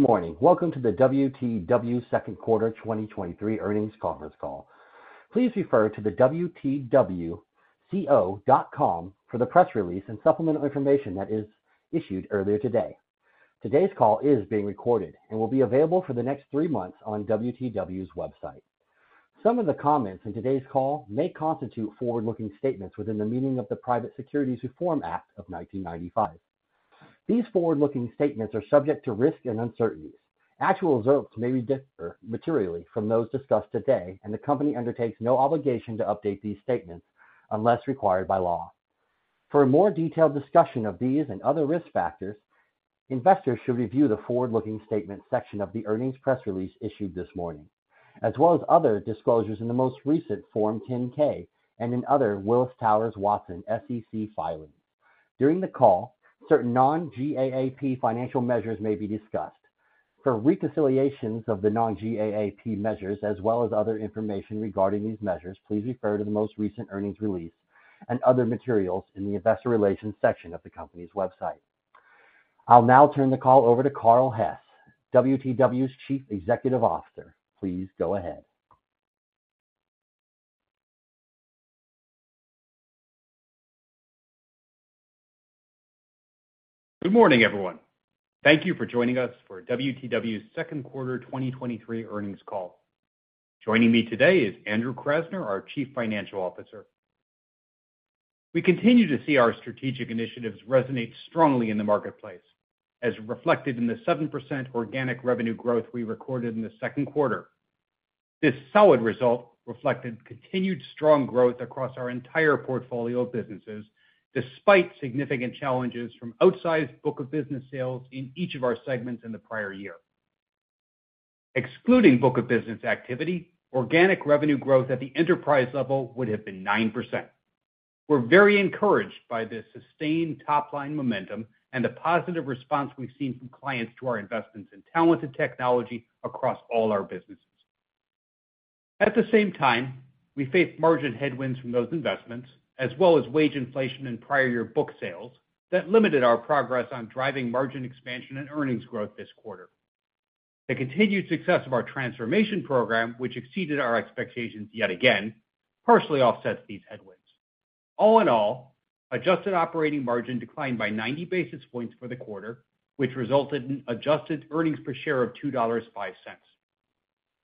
Good morning! Welcome to the WTW second quarter 2023 earnings conference call. Please refer to the wtwco.com for the press release and supplemental information that is issued earlier today. Today's call is being recorded and will be available for the next 3 months on WTW's website. Some of the comments in today's call may constitute forward-looking statements within the meaning of the Private Securities Litigation Reform Act of 1995. These forward-looking statements are subject to risks and uncertainties. Actual results may be differ materially from those discussed today, and the company undertakes no obligation to update these statements unless required by law. For a more detailed discussion of these and other risk factors, investors should review the forward-looking statements section of the earnings press release issued this morning, as well as other disclosures in the most recent Form 10-K and in other Willis Towers Watson SEC filings. During the call, certain non-GAAP financial measures may be discussed. For reconciliations of the non-GAAP measures, as well as other information regarding these measures, please refer to the most recent earnings release and other materials in the investor relations section of the company's website. I'll now turn the call over to Carl Hess, WTW's Chief Executive Officer. Please go ahead. Good morning, everyone. Thank you for joining us for WTW's second quarter 2023 earnings call. Joining me today is Andrew Krasner, our Chief Financial Officer. We continue to see our strategic initiatives resonate strongly in the marketplace, as reflected in the 7% organic revenue growth we recorded in the second quarter. This solid result reflected continued strong growth across our entire portfolio of businesses, despite significant challenges from outsized book of business sales in each of our segments in the prior year. Excluding book of business activity, organic revenue growth at the enterprise level would have been 9%. We're very encouraged by this sustained top-line momentum and the positive response we've seen from clients to our investments in talent and technology across all our businesses. At the same time, we faced margin headwinds from those investments, as well as wage inflation in prior year book sales, that limited our progress on driving margin expansion and earnings growth this quarter. The continued success of our transformation program, which exceeded our expectations yet again, partially offsets these headwinds. All in all, adjusted operating margin declined by 90 basis points for the quarter, which resulted in adjusted EPS of $2.05.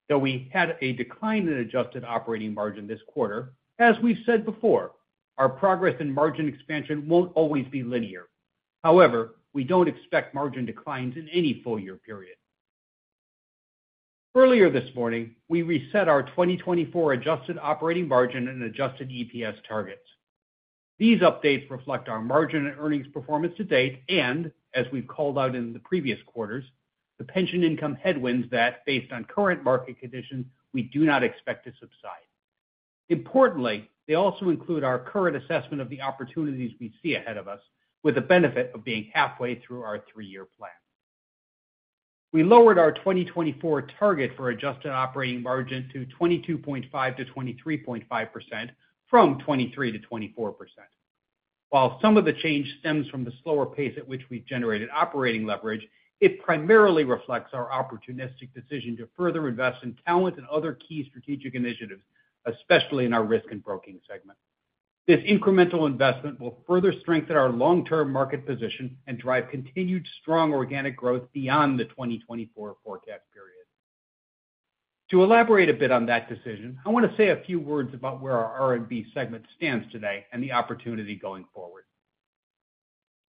Though we had a decline in adjusted operating margin this quarter, as we've said before, our progress in margin expansion won't always be linear. However, we don't expect margin declines in any full year period. Earlier this morning, we reset our 2024 adjusted operating margin and adjusted EPS targets. These updates reflect our margin and earnings performance to date, and as we've called out in the previous quarters, the pension income headwinds that, based on current market conditions, we do not expect to subside. Importantly, they also include our current assessment of the opportunities we see ahead of us, with the benefit of being halfway through our 3-year plan. We lowered our 2024 target for adjusted operating margin to 22.5%-23.5% from 23%-24%. While some of the change stems from the slower pace at which we've generated operating leverage, it primarily reflects our opportunistic decision to further invest in talent and other key strategic initiatives, especially in our Risk & Broking segment. This incremental investment will further strengthen our long-term market position and drive continued strong organic growth beyond the 2024 forecast period. To elaborate a bit on that decision, I want to say a few words about where our R&B segment stands today and the opportunity going forward.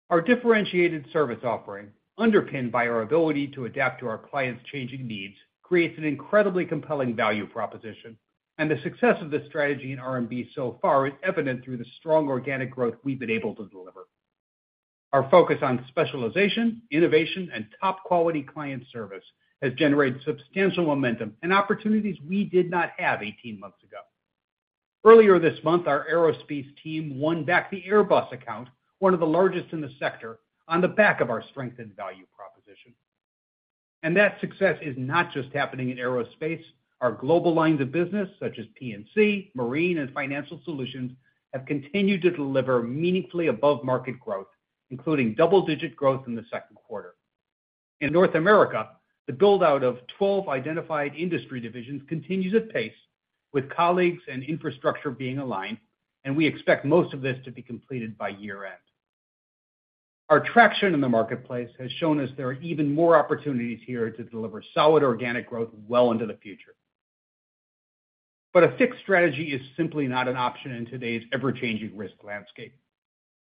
Our differentiated service offering, underpinned by our ability to adapt to our clients' changing needs, creates an incredibly compelling value proposition. The success of this strategy in R&B so far is evident through the strong organic growth we've been able to deliver. Our focus on specialization, innovation, and top-quality client service has generated substantial momentum and opportunities we did not have 18 months ago. Earlier this month, our aerospace team won back the Airbus account, one of the largest in the sector, on the back of our strengthened value proposition. That success is not just happening in aerospace. Our global lines of business, such as P&C, Marine, and Financial Solutions, have continued to deliver meaningfully above-market growth, including double-digit growth in the second quarter. In North America, the build-out of 12 identified industry divisions continues at pace, with colleagues and infrastructure being aligned, and we expect most of this to be completed by year-end. Our traction in the marketplace has shown us there are even more opportunities here to deliver solid organic growth well into the future. A fixed strategy is simply not an option in today's ever-changing risk landscape.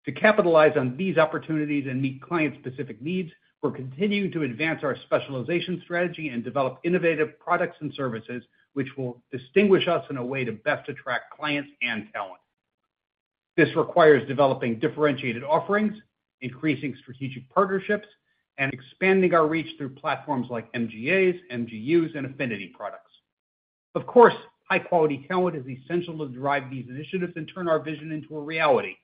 To capitalize on these opportunities and meet client-specific needs, we're continuing to advance our specialization strategy and develop innovative products and services, which will distinguish us in a way to best attract clients and talent. This requires developing differentiated offerings, increasing strategic partnerships, and expanding our reach through platforms like MGAs, MGUs, and affinity products. Of course, high-quality talent is essential to drive these initiatives and turn our vision into a reality,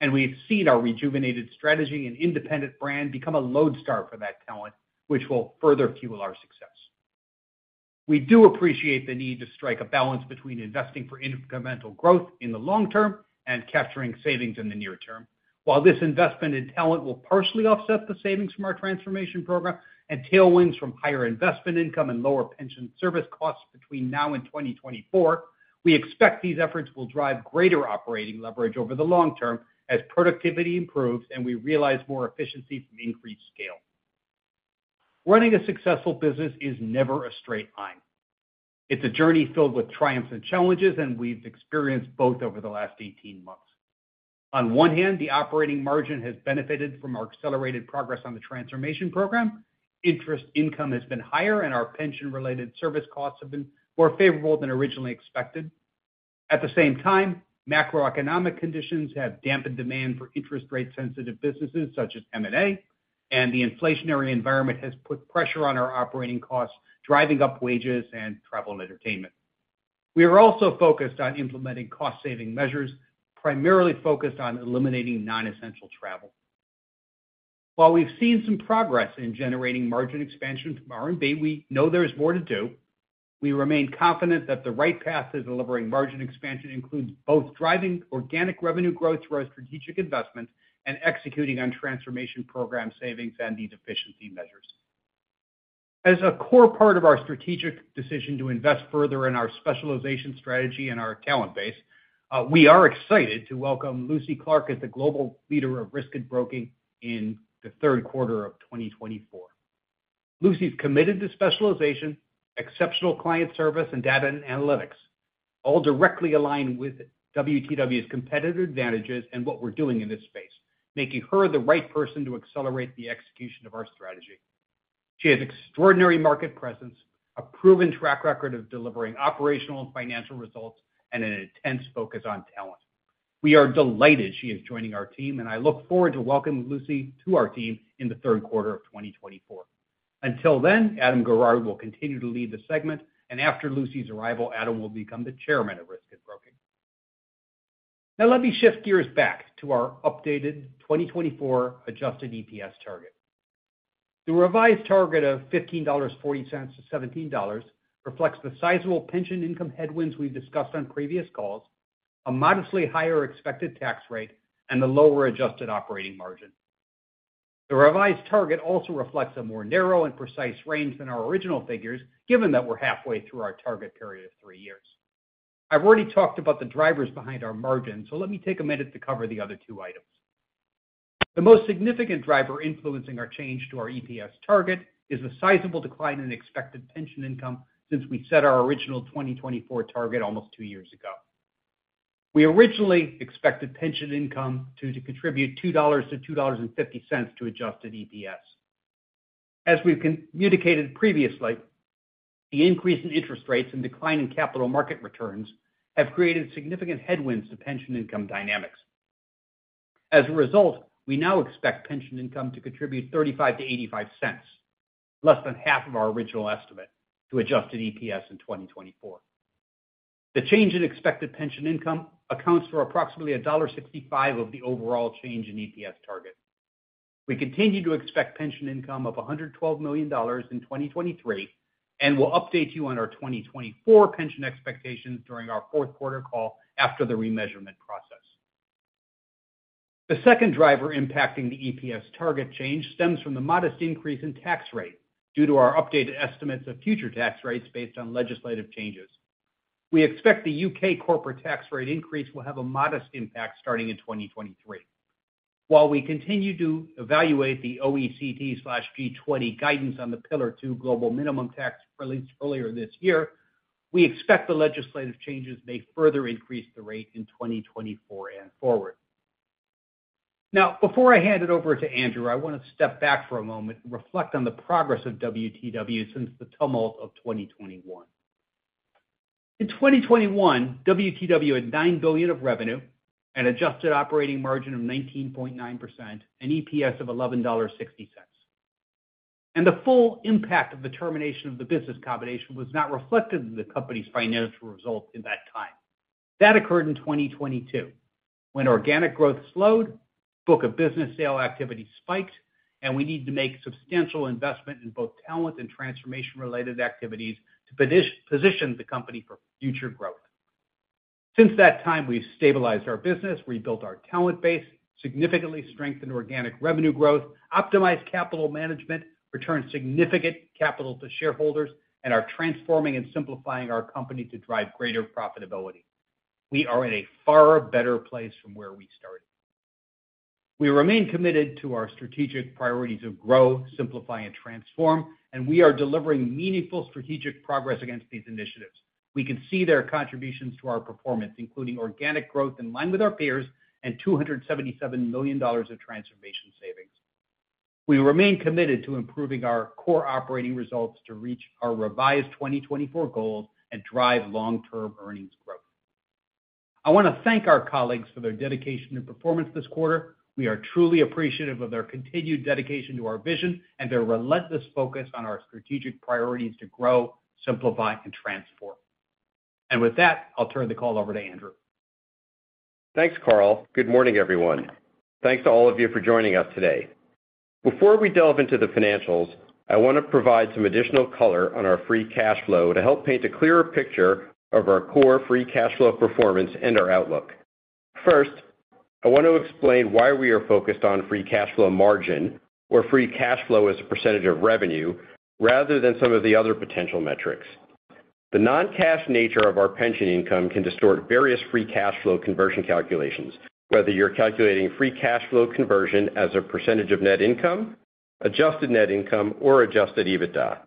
and we've seen our rejuvenated strategy and independent brand become a lodestar for that talent, which will further fuel our success. We do appreciate the need to strike a balance between investing for incremental growth in the long term and capturing savings in the near term. While this investment in talent will partially offset the savings from our transformation program and tailwinds from higher investment income and lower pension service costs between now and 2024, we expect these efforts will drive greater operating leverage over the long term as productivity improves and we realize more efficiency from increased scale. Running a successful business is never a straight line. It's a journey filled with triumphs and challenges, and we've experienced both over the last 18 months. On one hand, the operating margin has benefited from our accelerated progress on the transformation program. Interest income has been higher, and our pension-related service costs have been more favorable than originally expected. At the same time, macroeconomic conditions have dampened demand for interest rate-sensitive businesses such as M&A, and the inflationary environment has put pressure on our operating costs, driving up wages and travel and entertainment. We are also focused on implementing cost-saving measures, primarily focused on eliminating non-essential travel. While we've seen some progress in generating margin expansion from R&B, we know there is more to do. We remain confident that the right path to delivering margin expansion includes both driving organic revenue growth through our strategic investments and executing on transformation program savings and these efficiency measures. As a core part of our strategic decision to invest further in our specialization strategy and our talent base, we are excited to welcome Lucy Clarke as the Global Leader of Risk & Broking in the third quarter of 2024. Lucy's committed to specialization, exceptional client service, and data and analytics, all directly aligned with WTW's competitive advantages and what we're doing in this space, making her the right person to accelerate the execution of our strategy. She has extraordinary market presence, a proven track record of delivering operational and financial results, and an intense focus on talent. We are delighted she is joining our team. I look forward to welcoming Lucy to our team in the third quarter of 2024. Until then, Adam Garrard will continue to lead the segment, and after Lucy's arrival, Adam will become the Chairman of Risk & Broking. Let me shift gears back to our updated 2024 adjusted EPS target. The revised target of $15.40-$17 reflects the sizable pension income headwinds we've discussed on previous calls, a modestly higher expected tax rate, and the lower adjusted operating margin. The revised target also reflects a more narrow and precise range than our original figures, given that we're halfway through our target period of three years. I've already talked about the drivers behind our margin, so let me take a minute to cover the other two items. The most significant driver influencing our change to our EPS target is the sizable decline in expected pension income since we set our original 2024 target almost two years ago. We originally expected pension income to contribute $2-$2.50 to adjusted EPS. As we've communicated previously, the increase in interest rates and decline in capital market returns have created significant headwinds to pension income dynamics. We now expect pension income to contribute $0.35-$0.85, less than half of our original estimate, to adjusted EPS in 2024. The change in expected pension income accounts for approximately $1.65 of the overall change in EPS target. We continue to expect pension income of $112 million in 2023. We'll update you on our 2024 pension expectations during our fourth quarter call after the remeasurement process. The second driver impacting the EPS target change stems from the modest increase in tax rate due to our updated estimates of future tax rates based on legislative changes. We expect the UK corporate tax rate increase will have a modest impact starting in 2023. While we continue to evaluate the OECD/G20 guidance on the Pillar Two global minimum tax released earlier this year, we expect the legislative changes may further increase the rate in 2024 and forward. Before I hand it over to Andrew, I want to step back for a moment and reflect on the progress of WTW since the tumult of 2021. In 2021, WTW had $9 billion of revenue and adjusted operating margin of 19.9% and EPS of $11.60. The full impact of the termination of the business combination was not reflected in the company's financial results in that time. That occurred in 2022, when organic growth slowed, book of business sale activity spiked, and we needed to make substantial investment in both talent and transformation-related activities to position the company for future growth. Since that time, we've stabilized our business, rebuilt our talent base, significantly strengthened organic revenue growth, optimized capital management, returned significant capital to shareholders, and are transforming and simplifying our company to drive greater profitability. We are in a far better place from where we started. We remain committed to our strategic priorities of grow, simplify, and transform, and we are delivering meaningful strategic progress against these initiatives. We can see their contributions to our performance, including organic growth in line with our peers and $277 million of transformation savings. We remain committed to improving our core operating results to reach our revised 2024 goals and drive long-term earnings growth. I want to thank our colleagues for their dedication and performance this quarter. We are truly appreciative of their continued dedication to our vision and their relentless focus on our strategic priorities to grow, simplify, and transform. With that, I'll turn the call over to Andrew. Thanks, Carl. Good morning, everyone. Thanks to all of you for joining us today. Before we delve into the financials, I want to provide some additional color on our free cash flow to help paint a clearer picture of our core free cash flow performance and our outlook. First, I want to explain why we are focused on free cash flow margin, or free cash flow as a % of revenue, rather than some of the other potential metrics. The non-cash nature of our pension income can distort various free cash flow conversion calculations, whether you're calculating free cash flow conversion as a % of net income, adjusted net income, or adjusted EBITDA.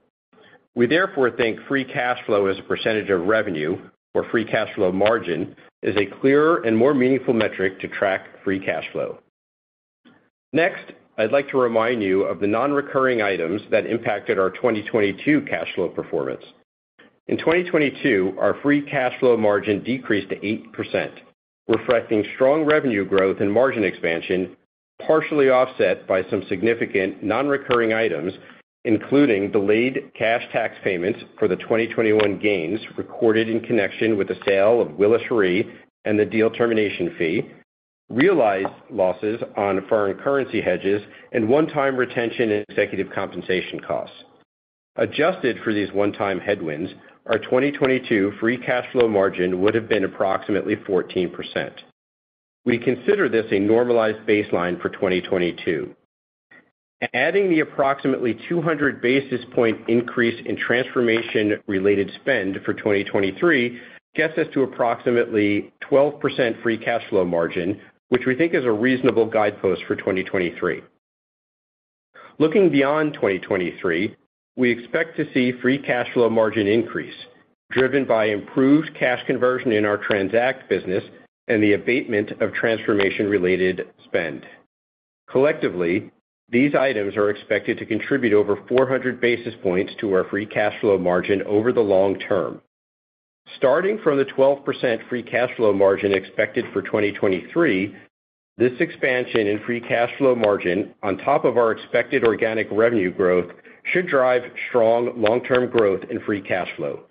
We therefore think free cash flow as a % of revenue or free cash flow margin, is a clearer and more meaningful metric to track free cash flow. Next, I'd like to remind you of the non-recurring items that impacted our 2022 cash flow performance. In 2022, our free cash flow margin decreased to 8%, reflecting strong revenue growth and margin expansion, partially offset by some significant non-recurring items, including delayed cash tax payments for the 2021 gains recorded in connection with the sale of Willis Re and the deal termination fee, realized losses on foreign currency hedges, and one-time retention and executive compensation costs. Adjusted for these one-time headwinds, our 2022 free cash flow margin would have been approximately 14%. We consider this a normalized baseline for 2022. Adding the approximately 200 basis point increase in transformation-related spend for 2023 gets us to approximately 12% free cash flow margin, which we think is a reasonable guidepost for 2023. Looking beyond 2023, we expect to see free cash flow margin increase, driven by improved cash conversion in our TRANZACT business and the abatement of transformation-related spend. Collectively, these items are expected to contribute over 400 basis points to our free cash flow margin over the long term. Starting from the 12% free cash flow margin expected for 2023, this expansion in free cash flow margin, on top of our expected organic revenue growth, should drive strong long-term growth in free cash flow.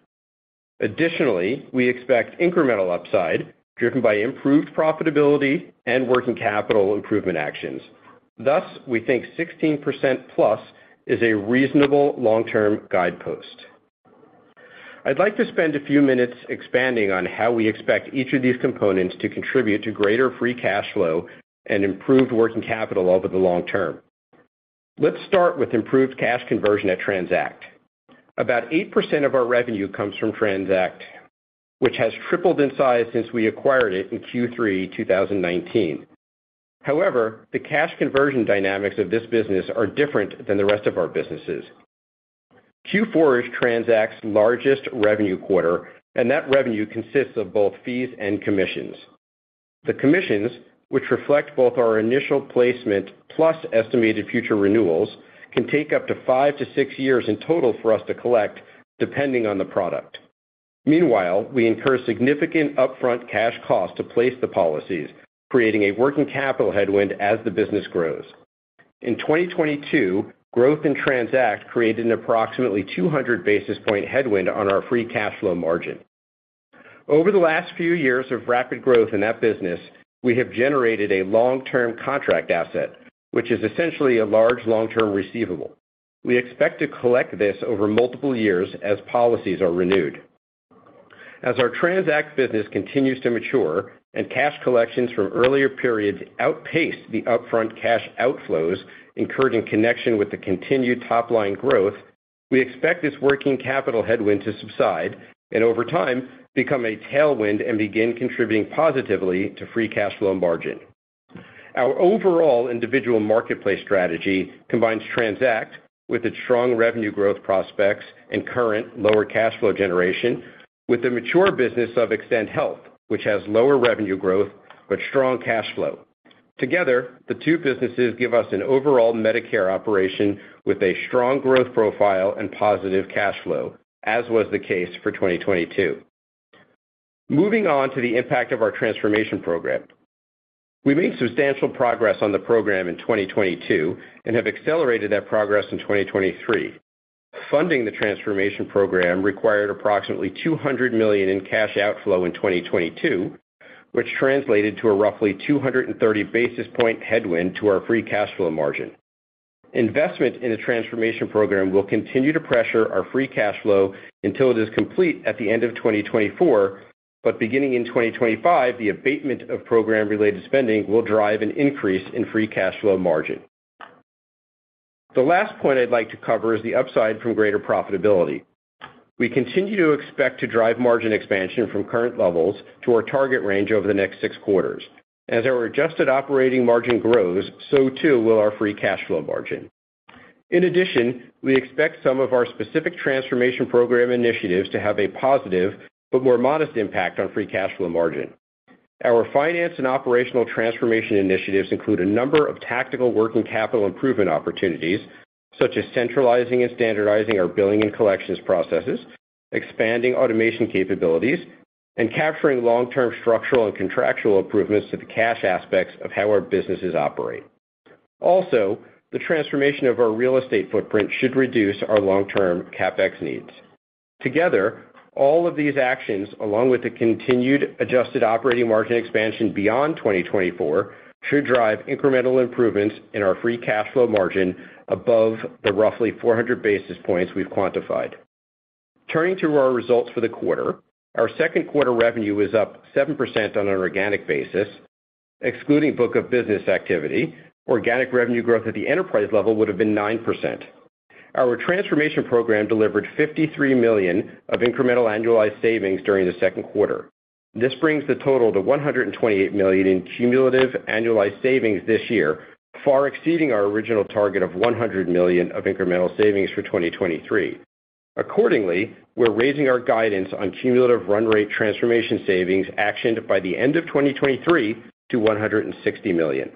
Additionally, we expect incremental upside driven by improved profitability and working capital improvement actions. Thus, we think 16%+ is a reasonable long-term guidepost. I'd like to spend a few minutes expanding on how we expect each of these components to contribute to greater free cash flow and improved working capital over the long term. Let's start with improved cash conversion at TRANZACT. About 8% of our revenue comes from TRANZACT, which has tripled in size since we acquired it in Q3 2019. The cash conversion dynamics of this business are different than the rest of our businesses. Q4 is TRANZACT's largest revenue quarter, and that revenue consists of both fees and commissions. The commissions, which reflect both our initial placement plus estimated future renewals, can take up to 5-6 years in total for us to collect, depending on the product. Meanwhile, we incur significant upfront cash costs to place the policies, creating a working capital headwind as the business grows. In 2022, growth in TRANZACT created an approximately 200 basis point headwind on our free cash flow margin. Over the last few years of rapid growth in that business, we have generated a long-term contract asset, which is essentially a large long-term receivable. We expect to collect this over multiple years as policies are renewed. As our TRANZACT business continues to mature and cash collections from earlier periods outpace the upfront cash outflows incurred in connection with the continued top-line growth, we expect this working capital headwind to subside and over time, become a tailwind and begin contributing positively to free cash flow and margin. Our overall individual marketplace strategy combines TRANZACT with its strong revenue growth prospects and current lower cash flow generation, with the mature business of Extend Health, which has lower revenue growth but strong cash flow. Together, the two businesses give us an overall Medicare operation with a strong growth profile and positive cash flow, as was the case for 2022. Moving on to the impact of our transformation program. We made substantial progress on the program in 2022 and have accelerated that progress in 2023. Funding the transformation program required approximately $200 million in cash outflow in 2022, which translated to a roughly 230 basis point headwind to our free cash flow margin. Investment in the transformation program will continue to pressure our free cash flow until it is complete at the end of 2024, but beginning in 2025, the abatement of program-related spending will drive an increase in free cash flow margin. The last point I'd like to cover is the upside from greater profitability. We continue to expect to drive margin expansion from current levels to our target range over the next six quarters. As our adjusted operating margin grows, so too will our free cash flow margin. In addition, we expect some of our specific transformation program initiatives to have a positive but more modest impact on free cash flow margin. Our finance and operational transformation initiatives include a number of tactical working capital improvement opportunities, such as centralizing and standardizing our billing and collections processes, expanding automation capabilities, and capturing long-term structural and contractual improvements to the cash aspects of how our businesses operate. Also, the transformation of our real estate footprint should reduce our long-term CapEx needs. Together, all of these actions, along with the continued adjusted operating margin expansion beyond 2024, should drive incremental improvements in our free cash flow margin above the roughly 400 basis points we've quantified. Turning to our results for the quarter, our second quarter revenue was up 7% on an organic basis, excluding book of business activity. Organic revenue growth at the enterprise level would have been 9%. Our transformation program delivered $53 million of incremental annualized savings during the second quarter. This brings the total to $128 million in cumulative annualized savings this year, far exceeding our original target of $100 million of incremental savings for 2023. We're raising our guidance on cumulative run rate transformation savings actioned by the end of 2023 to $160 million.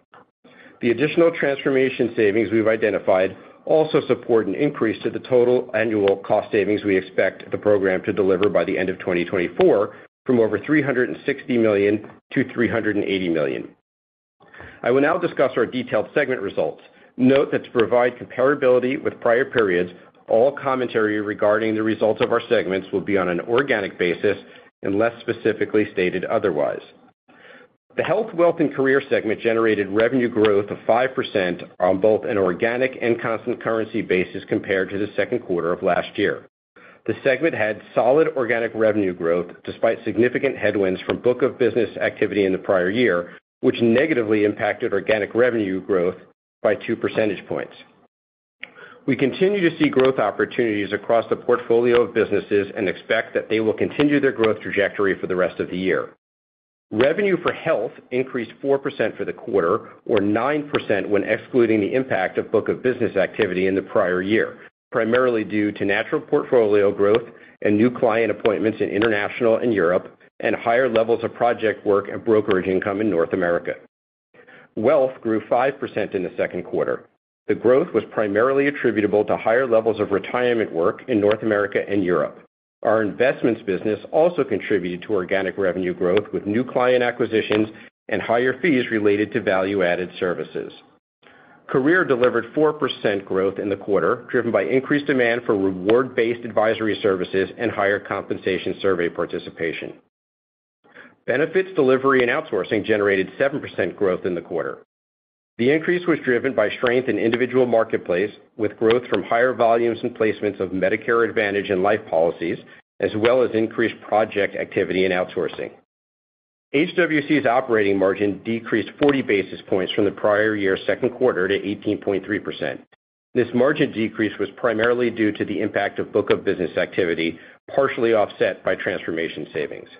The additional transformation savings we've identified also support an increase to the total annual cost savings we expect the program to deliver by the end of 2024, from over $360 million to $380 million. I will now discuss our detailed segment results. Note that to provide comparability with prior periods, all commentary regarding the results of our segments will be on an organic basis, unless specifically stated otherwise. The Health, Wealth & Career segment generated revenue growth of 5% on both an organic and constant currency basis compared to the second quarter of last year. The segment had solid organic revenue growth, despite significant headwinds from book of business activity in the prior year, which negatively impacted organic revenue growth by 2 percentage points. We continue to see growth opportunities across the portfolio of businesses and expect that they will continue their growth trajectory for the rest of the year. Revenue for Health increased 4% for the quarter, or 9% when excluding the impact of book of business activity in the prior year, primarily due to natural portfolio growth and new client appointments in International and Europe, and higher levels of project work and brokerage income in North America. Wealth grew 5% in the second quarter. The growth was primarily attributable to higher levels of retirement work in North America and Europe. Our investments business also contributed to organic revenue growth, with new client acquisitions and higher fees related to value-added services. Career delivered 4% growth in the quarter, driven by increased demand for reward-based advisory services and higher compensation survey participation. Benefits, delivery, and outsourcing generated 7% growth in the quarter. The increase was driven by strength in individual marketplace, with growth from higher volumes and placements of Medicare Advantage and life policies, as well as increased project activity and outsourcing. HWC's operating margin decreased 40 basis points from the prior year's second quarter to 18.3%. This margin decrease was primarily due to the impact of book of business activity, partially offset by transformation savings.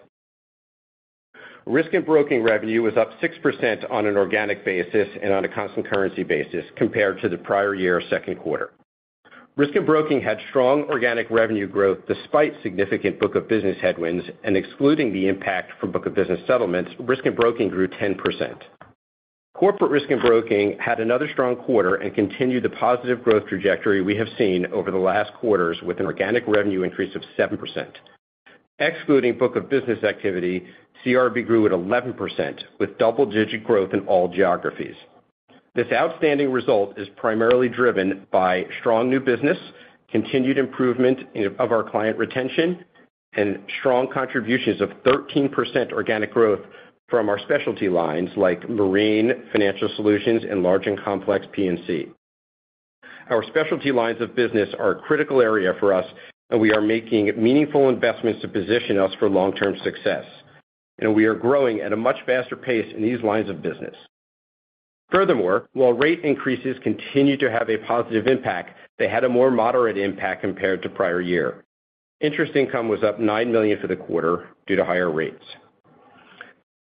Risk & Broking revenue was up 6% on an organic basis and on a constant currency basis compared to the prior year's second quarter. Risk & Broking had strong organic revenue growth despite significant book of business headwinds and excluding the impact from book of business settlements, Risk & Broking grew 10%. Corporate Risk and Broking had another strong quarter and continued the positive growth trajectory we have seen over the last quarters with an organic revenue increase of 7%. Excluding book of business activity, CRB grew at 11%, with double-digit growth in all geographies. This outstanding result is primarily driven by strong new business, continued improvement of our client retention, and strong contributions of 13% organic growth from our specialty lines like Marine, Financial Solutions, and Large and Complex P&C. Our specialty lines of business are a critical area for us, we are making meaningful investments to position us for long-term success. We are growing at a much faster pace in these lines of business. Furthermore, while rate increases continue to have a positive impact, they had a more moderate impact compared to prior year. Interest income was up $9 million for the quarter due to higher rates.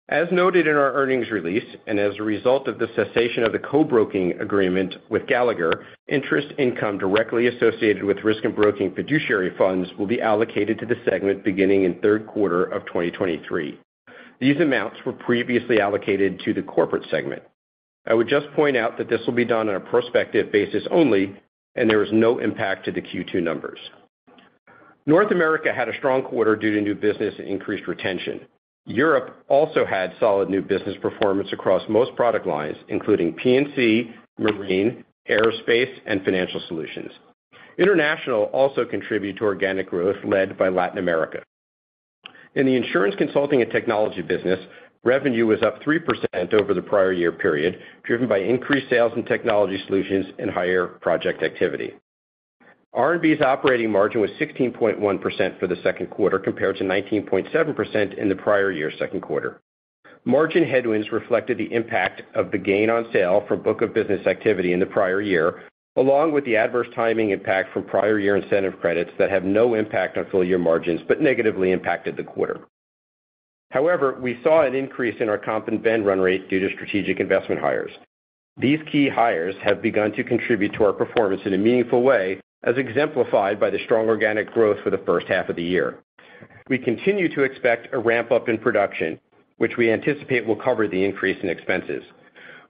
As noted in our earnings release, and as a result of the cessation of the co-broking agreement with Gallagher, interest income directly associated with Risk & Broking fiduciary funds will be allocated to the segment beginning in 3rd quarter of 2023. These amounts were previously allocated to the corporate segment. I would just point out that this will be done on a prospective basis only, and there is no impact to the Q2 numbers. North America had a strong quarter due to new business and increased retention. Europe also had solid new business performance across most product lines, including P&C, Marine, aerospace, and Financial Solutions. International also contributed to organic growth, led by Latin America. In the Insurance Consulting and Technology business, revenue was up 3% over the prior year period, driven by increased sales in technology solutions and higher project activity. R&B's operating margin was 16.1% for the second quarter, compared to 19.7% in the prior year's second quarter. Margin headwinds reflected the impact of the gain on sale for book of business activity in the prior year, along with the adverse timing impact from prior year incentive credits that have no impact on full year margins, but negatively impacted the quarter. However, we saw an increase in our comp and ben run rate due to strategic investment hires. These key hires have begun to contribute to our performance in a meaningful way, as exemplified by the strong organic growth for the first half of the year. We continue to expect a ramp-up in production, which we anticipate will cover the increase in expenses.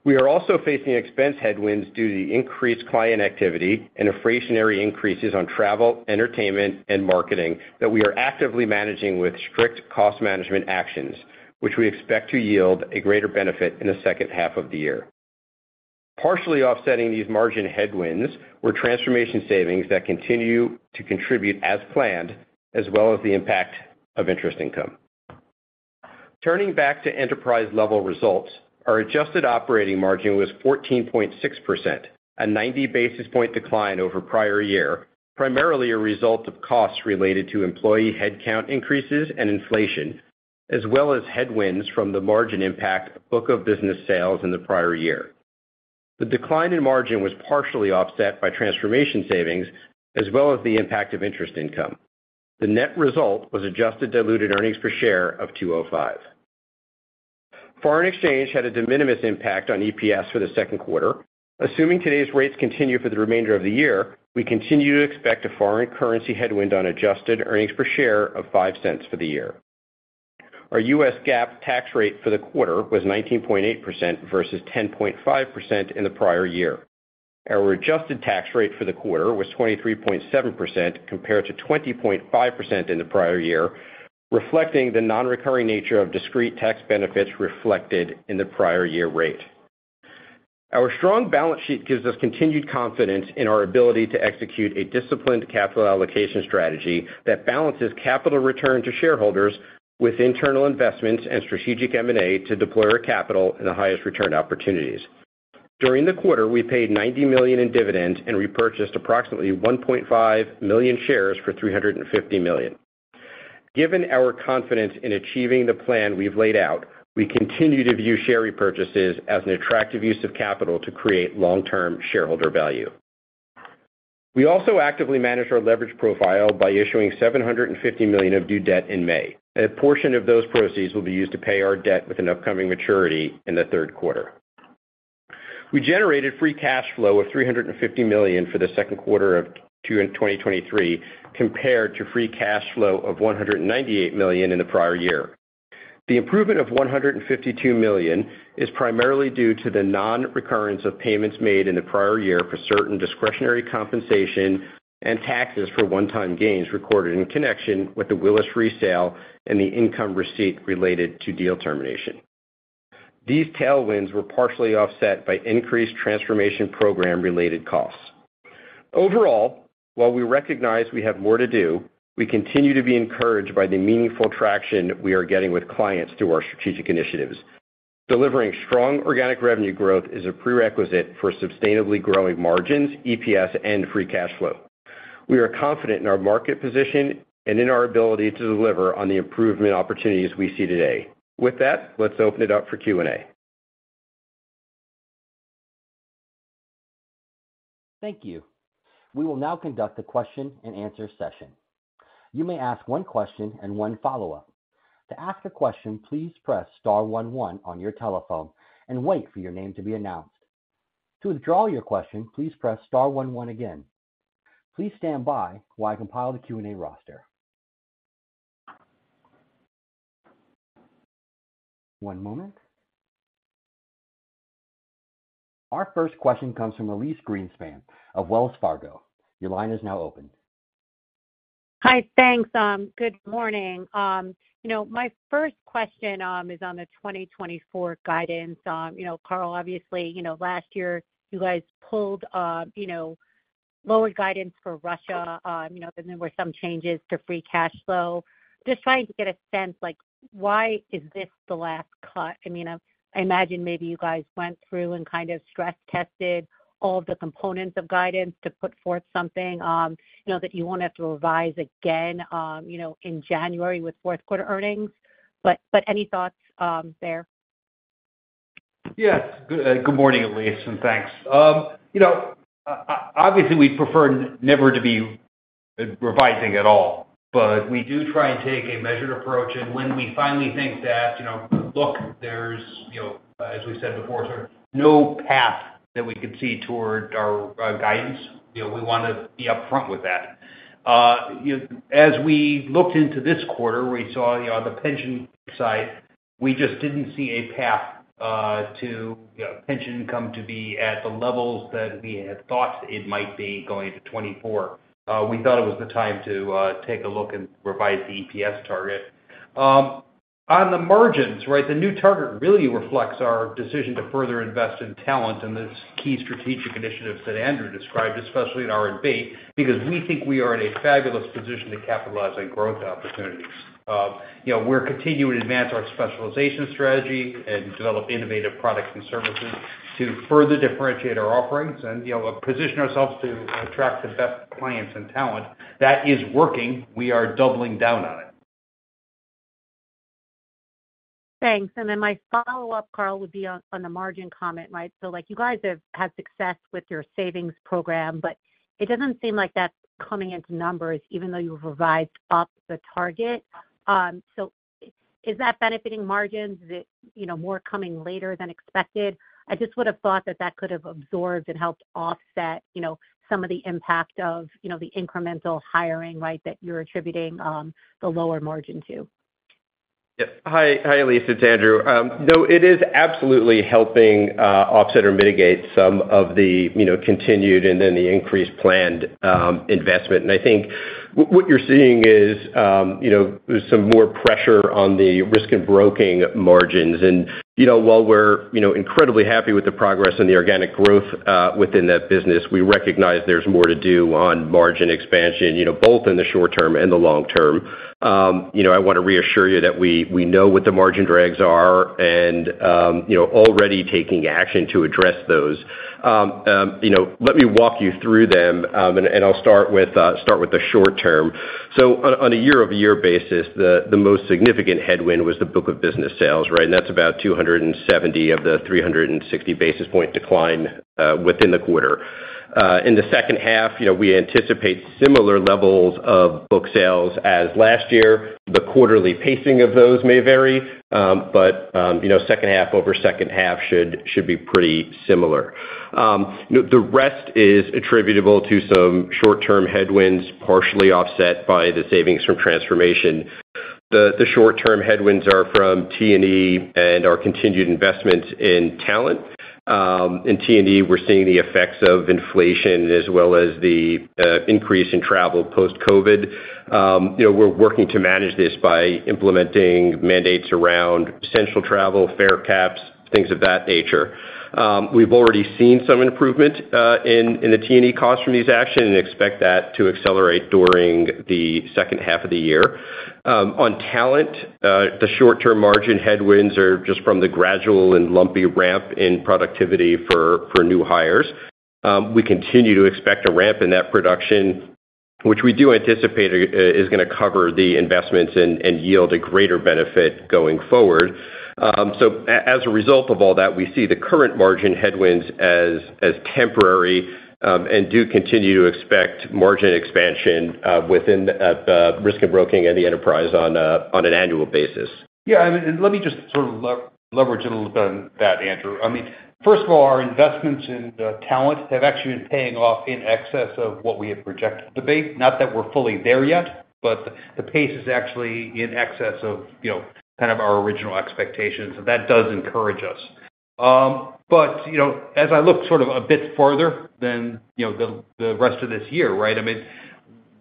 We are also facing expense headwinds due to the increased client activity and inflationary increases on travel, entertainment, and marketing that we are actively managing with strict cost management actions, which we expect to yield a greater benefit in the second half of the year. Partially offsetting these margin headwinds were transformation savings that continue to contribute as planned, as well as the impact of interest income. Turning back to enterprise-level results, our adjusted operating margin was 14.6%, a 90 basis point decline over prior year, primarily a result of costs related to employee headcount increases and inflation, as well as headwinds from the margin impact of book of business sales in the prior year. The decline in margin was partially offset by transformation savings as well as the impact of interest income. The net result was adjusted diluted earnings per share of $2.05. Foreign exchange had a de minimis impact on EPS for the second quarter. Assuming today's rates continue for the remainder of the year, we continue to expect a foreign currency headwind on adjusted earnings per share of $0.05 for the year. Our U.S., GAAP tax rate for the quarter was 19.8% versus 10.5% in the prior year. Our adjusted tax rate for the quarter was 23.7% compared to 20.5% in the prior year, reflecting the nonrecurring nature of discrete tax benefits reflected in the prior year rate. Our strong balance sheet gives us continued confidence in our ability to execute a disciplined capital allocation strategy that balances capital return to shareholders with internal investments and strategic M&A to deploy our capital in the highest return opportunities. During the quarter, we paid $90 million in dividends and repurchased approximately 1.5 million shares for $350 million. Given our confidence in achieving the plan we've laid out, we continue to view share repurchases as an attractive use of capital to create long-term shareholder value. We also actively manage our leverage profile by issuing $750 million of due debt in May. A portion of those proceeds will be used to pay our debt with an upcoming maturity in the third quarter. We generated free cash flow of $350 million for the second quarter of 2023, compared to free cash flow of $198 million in the prior year. The improvement of $152 million is primarily due to the nonrecurrence of payments made in the prior year for certain discretionary compensation and taxes for one-time gains recorded in connection with the Willis resale and the income receipt related to deal termination. These tailwinds were partially offset by increased transformation program-related costs. While we recognize we have more to do, we continue to be encouraged by the meaningful traction we are getting with clients through our strategic initiatives. Delivering strong organic revenue growth is a prerequisite for sustainably growing margins, EPS, and free cash flow. We are confident in our market position and in our ability to deliver on the improvement opportunities we see today. Let's open it up for Q&A. Thank you. We will now conduct a question and answer session. You may ask one question and one follow-up. To ask a question, please press * one one on your telephone and wait for your name to be announced. To withdraw your question, please press * one one again. Please stand by while I compile the Q&A roster. One moment. Our first question comes from Elyse Greenspan of Wells Fargo. Your line is now open. Hi, thanks. Good morning. You know, my first question is on the 2024 guidance. You know, Carl, obviously, you know, last year you guys pulled, you know, lower guidance for Russia. You know, there were some changes to free cash flow. Just trying to get a sense, like, why is this the last cut? I mean, I imagine maybe you guys went through and kind of stress-tested all the components of guidance to put forth something, you know, that you won't have to revise again, you know, in January with fourth quarter earnings. Any thoughts there? Yes. Good morning, Elise, and thanks. You know, obviously, we'd prefer never to be revising at all, but we do try and take a measured approach. When we finally think that, you know, look, there's, you know, as we said before, sort of no path that we could see toward our guidance, you know, we want to be upfront with that. You know, as we looked into this quarter, we saw, you know, on the pension side, we just didn't see a path to, you know, pension income to be at the levels that we had thought it might be going into 2024. We thought it was the time to take a look and revise the EPS target. On the margins, right, the new target really reflects our decision to further invest in talent and the key strategic initiatives that Andrew described, especially in R&B, because we think we are in a fabulous position to capitalize on growth opportunities. you know, we're continuing to advance our specialization strategy and develop innovative products and services to further differentiate our offerings and, you know, position ourselves to attract the best clients and talent. That is working. We are doubling down on it. Thanks. Then my follow-up, Carl, would be on the margin comment, right? Like, you guys have had success with your savings program, but it doesn't seem like that's coming into numbers, even though you revised up the target. Is that benefiting margins? Is it, you know, more coming later than expected? I just would have thought that that could have absorbed and helped offset, you know, some of the impact of, you know, the incremental hiring, right, that you're attributing the lower margin to. Yep. Hi. Hi, Elyse, it's Andrew. No, it is absolutely helping offset or mitigate some of the, you know, continued and then the increased planned investment. I think what you're seeing is, you know, there's some more pressure on the Risk & Broking margins. You know, while we're, you know, incredibly happy with the progress and the organic growth within that business, we recognize there's more to do on margin expansion, you know, both in the short term and the long term. You know, I want to reassure you that we, we know what the margin drags are, and, you know, already taking action to address those. You know, let me walk you through them, and I'll start with the short term. On a year-over-year basis, the most significant headwind was the book of business sales, right? That's about 270 of the 360 basis point decline within the quarter. In the second half, you know, we anticipate similar levels of book sales as last year. The quarterly pacing of those may vary, but, you know, second half over second half should be pretty similar. You know, the rest is attributable to some short-term headwinds, partially offset by the savings from transformation. The short-term headwinds are from T&E and our continued investments in talent. In T&E, we're seeing the effects of inflation as well as the increase in travel post-COVID. You know, we're working to manage this by implementing mandates around essential travel, fare caps, things of that nature. We've already seen some improvement in T&E costs from these actions and expect that to accelerate during the second half of the year. On talent, the short-term margin headwinds are just from the gradual and lumpy ramp in productivity for new hires. We continue to expect a ramp in that production, which we do anticipate is gonna cover the investments and yield a greater benefit going forward. As a result of all that, we see the current margin headwinds as temporary and do continue to expect margin expansion within Risk & Broking and the enterprise on an annual basis. Yeah, I mean, let me just sort of leverage a little bit on that, Andrew. I mean, first of all, our investments in talent have actually been paying off in excess of what we had projected. Debate, not that we're fully there yet, but the pace is actually in excess of, you know, kind of our original expectations, that does encourage us. You know, as I look sort of a bit further than, you know, the rest of this year, right? I mean,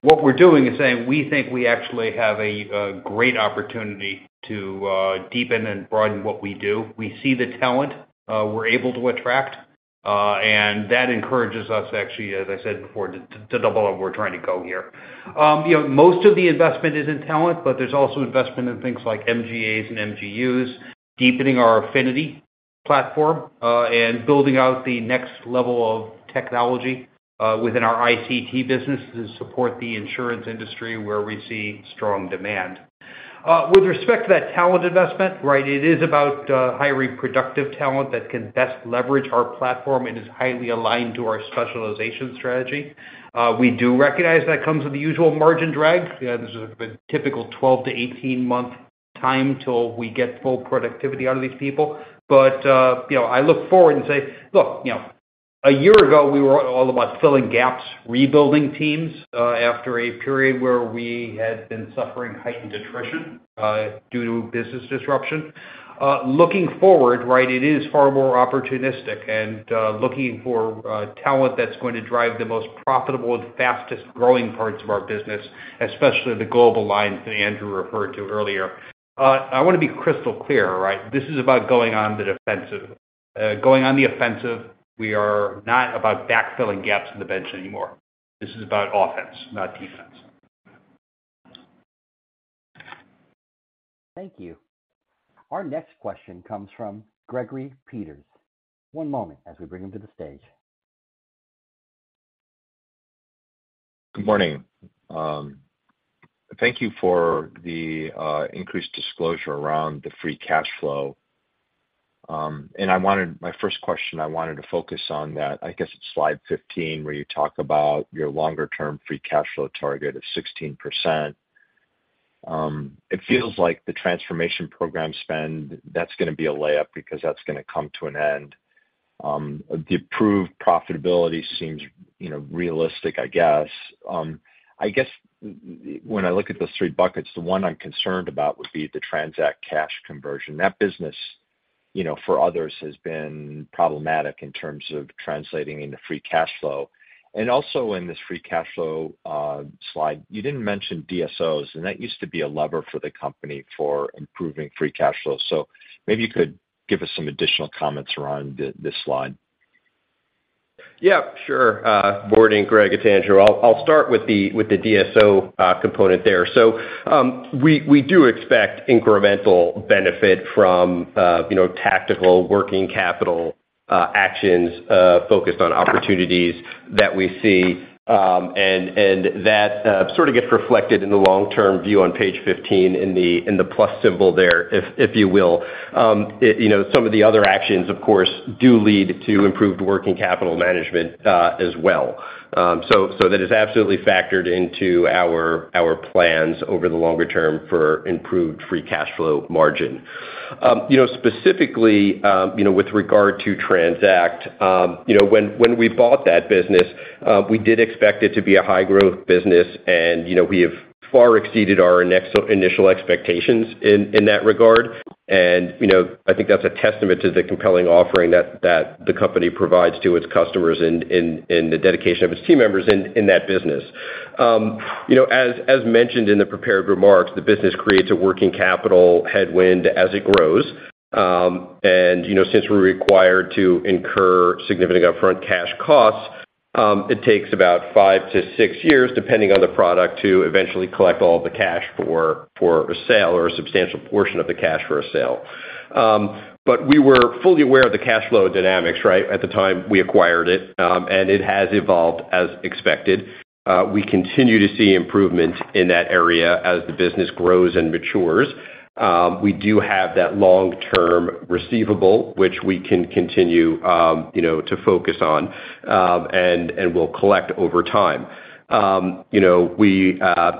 what we're doing is saying we think we actually have a great opportunity to deepen and broaden what we do. We see the talent we're able to attract, that encourages us, actually, as I said before, to double up where we're trying to go here. You know, most of the investment is in talent, but there's also investment in things like MGAs and MGUs, deepening our affinity platform, and building out the next level of technology within our ICT business to support the insurance industry where we see strong demand. With respect to that talent investment, right? It is about hiring productive talent that can best leverage our platform and is highly aligned to our specialization strategy. We do recognize that comes with the usual margin drag, and this is a typical 12-18 month time till we get full productivity out of these people. You know, I look forward and say, "Look, you know, a year ago, we were all about filling gaps, rebuilding teams, after a period where we had been suffering heightened attrition, due to business disruption." Looking forward, right, it is far more opportunistic and looking for talent that's going to drive the most profitable and fastest-growing parts of our business, especially the global lines that Andrew referred to earlier. I want to be crystal clear, all right? This is about going on the defensive. Going on the offensive, we are not about backfilling gaps in the bench anymore. This is about offense, not defense. Thank you. Our next question comes from Gregory Peters. One moment as we bring him to the stage. Good morning. Thank you for the increased disclosure around the free cash flow. My first question, I wanted to focus on that. I guess it's slide 15, where you talk about your longer-term free cash flow target of 16%. It feels like the transformation program spend, that's gonna be a layup because that's gonna come to an end. The approved profitability seems, you know, realistic, I guess. I guess when I look at those three buckets, the one I'm concerned about would be the TRANZACT cash conversion. That business, you know, for others, has been problematic in terms of translating into free cash flow. Also, in this free cash flow slide, you didn't mention DSO, and that used to be a lever for the company for improving free cash flow. maybe you could give us some additional comments around this slide. Sure. Morning, Greg, it's Andrew. I'll start with the DSO component there. We do expect incremental benefit from, you know, tactical working capital actions focused on opportunities that we see. And that sort of gets reflected in the long-term view on page 15, in the plus symbol there, if you will. You know, some of the other actions, of course, do lead to improved working capital management as well. So that is absolutely factored into our plans over the longer term for improved free cash flow margin. You know, specifically, you know, with regard to TRANZACT, you know, when we bought that business, we did expect it to be a high-growth business, and, you know, we have far exceeded our initial expectations in that regard. You know, I think that's a testament to the compelling offering that the company provides to its customers and the dedication of its team members in that business. You know, as mentioned in the prepared remarks, the business creates a working capital headwind as it grows. You know, since we're required to incur significant upfront cash costs, it takes about five to six years, depending on the product, to eventually collect all the cash for a sale or a substantial portion of the cash for a sale. We were fully aware of the cash flow dynamics, right, at the time we acquired it, and it has evolved as expected. We continue to see improvement in that area as the business grows and matures. We do have that long-term receivable, which we can continue, you know, to focus on, and we'll collect over time. You know, we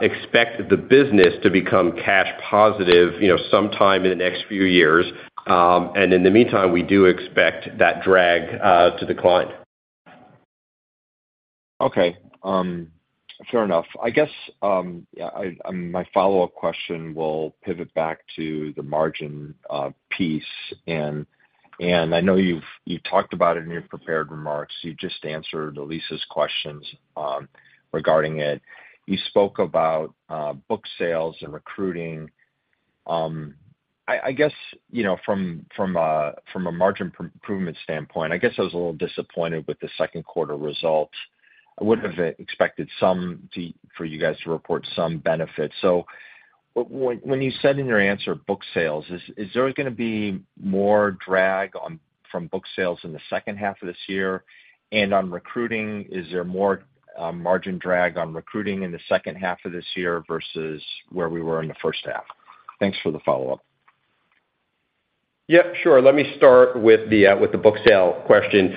expect the business to become cash positive, you know, sometime in the next few years. In the meantime, we do expect that drag to decline. Okay. Fair enough. I guess, yeah, my follow-up question will pivot back to the margin piece. I know you've talked about it in your prepared remarks. You just answered Elyse's questions regarding it. You spoke about book sales and recruiting. I guess, you know, from a margin improvement standpoint, I guess I was a little disappointed with the second quarter results. I would have expected for you guys to report some benefits. When you said in your answer, book sales, is there gonna be more drag from book sales in the second half of this year? On recruiting, is there more margin drag on recruiting in the second half of this year versus where we were in the first half? Thanks for the follow-up. Yep, sure. Let me start with the book sale question.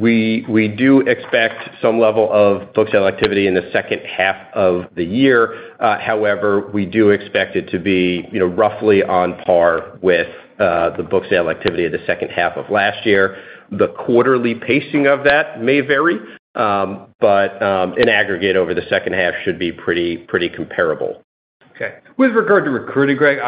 We do expect some level of book sale activity in the second half of the year. However, we do expect it to be, you know, roughly on par with the book sale activity of the second half of last year. The quarterly pacing of that may vary, in aggregate, over the second half should be pretty comparable. Okay. With regard to recruiting, Greg,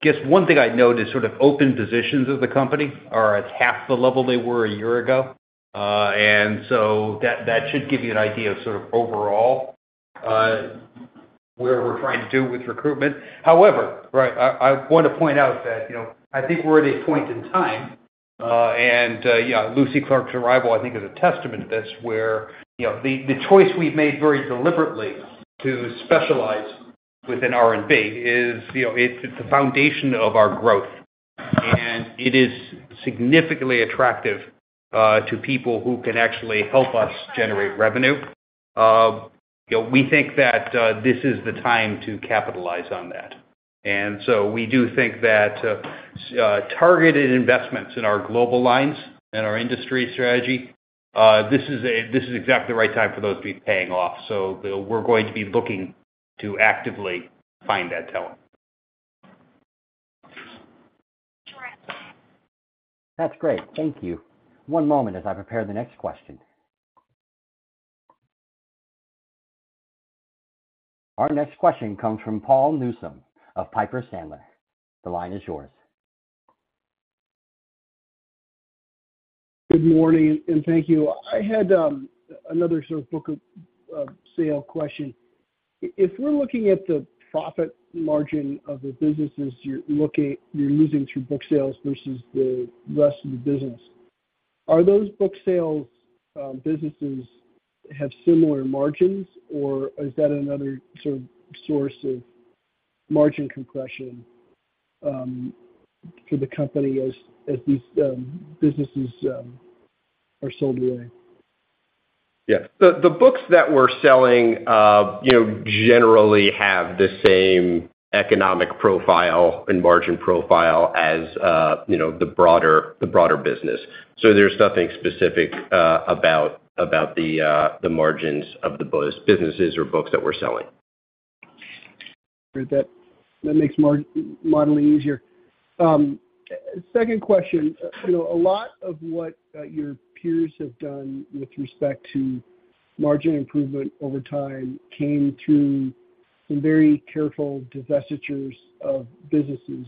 I guess one thing I'd note is sort of open positions of the company are at half the level they were a year ago, and so that should give you an idea of sort of overall where we're trying to do with recruitment. However, right, I want to point out that, you know, I think we're at a point in time, and, yeah, Lucy Clarke's arrival, I think, is a testament to this, where, you know, the choice we've made very deliberately to specialize within R&B is, you know, it's a foundation of our growth, and it is significantly attractive to people who can actually help us generate revenue. We think that this is the time to capitalize on that. We do think that targeted investments in our global lines and our industry strategy, this is exactly the right time for those to be paying off. We're going to be looking to actively find that talent. That's great. Thank you. One moment as I prepare the next question. Our next question comes from Paul Newsome of Piper Sandler. The line is yours. Good morning. Thank you. I had another sort of book of sale question. If we're looking at the profit margin of the businesses you're losing through book sales versus the rest of the business, are those book sales businesses have similar margins, or is that another sort of source of margin compression for the company as these businesses are sold away? Yes. The books that we're selling, you know, generally have the same economic profile and margin profile as, you know, the broader business. There's nothing specific about the margins of the businesses or books that we're selling. Great. That makes modeling easier. Second question? You know, a lot of what your peers have done with respect to margin improvement over time came through some very careful divestitures of businesses,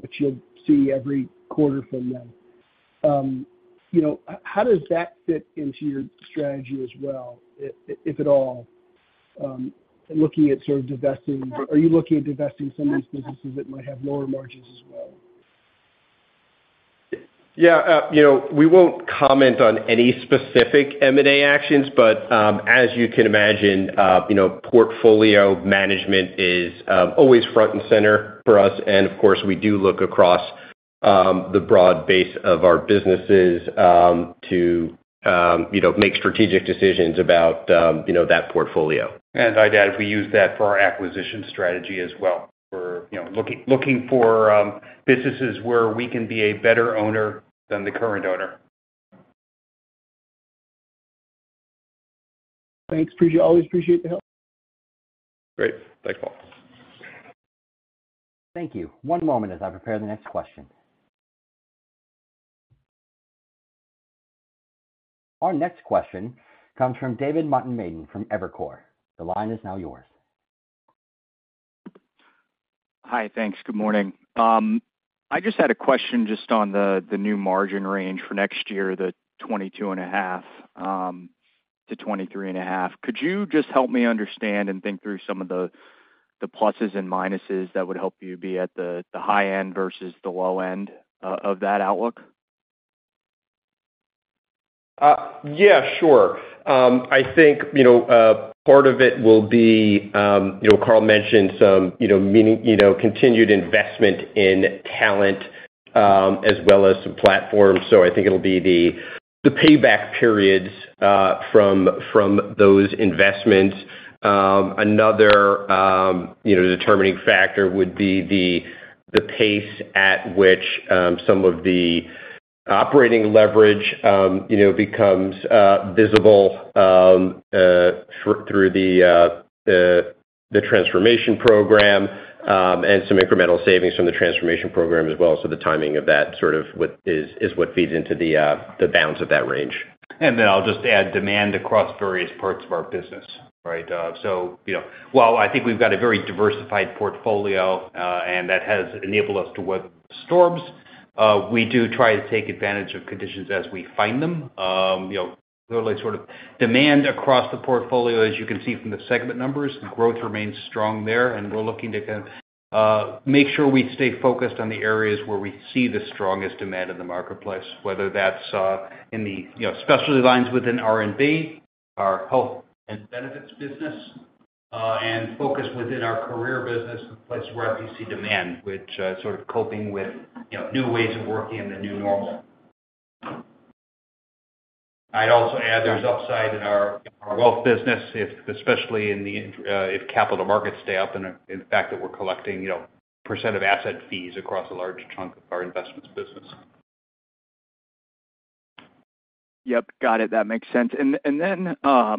which you'll see every quarter from them. You know, how does that fit into your strategy as well, if at all? Looking at sort of divesting, are you looking at divesting some of these businesses that might have lower margins as well? Yeah, you know, we won't comment on any specific M&A actions, but as you can imagine, you know, portfolio management is always front and center for us. Of course, we do look across the broad base of our businesses to, you know, make strategic decisions about, you know, that portfolio. I'd add, we use that for our acquisition strategy as well. We're, you know, looking for businesses where we can be a better owner than the current owner. Thanks. always appreciate the help. Great. Thanks, Paul. Thank you. One moment as I prepare the next question. Our next question comes from David Motemaden from Evercore. The line is now yours. Hi, thanks. Good morning. I just had a question just on the new margin range for next year, the 22.5%-23.5%. Could you just help me understand and think through some of the pluses and minuses that would help you be at the high end versus the low end of that outlook? Yeah, sure. I think, you know, part of it will be, you know, Carl mentioned some, you know, meaning, you know, continued investment in talent, as well as some platforms. I think it'll be the, the payback periods, from, from those investments. Another, you know, determining factor would be the, the pace at which, some of the operating leverage, you know, becomes, visible, through the, the transformation program, and some incremental savings from the transformation program as well. The timing of that sort of what is, is what feeds into the, the bounds of that range. I'll just add demand across various parts of our business, right? So, you know, while I think we've got a very diversified portfolio, and that has enabled us to weather the storms, we do try to take advantage of conditions as we find them. You know, really sort of demand across the portfolio. As you can see from the segment numbers, growth remains strong there, and we're looking to make sure we stay focused on the areas where we see the strongest demand in the marketplace. Whether that's in the, you know, specialty lines within R&B, our health and benefits business, and focus within our career business and places where we see demand, which sort of coping with, you know, new ways of working in the new normal. I'd also add, there's upside in our wealth business, if, especially if capital markets stay up, and the fact that we're collecting, you know, % of asset fees across a large chunk of our investments business. Yep, got it. That makes sense. you know,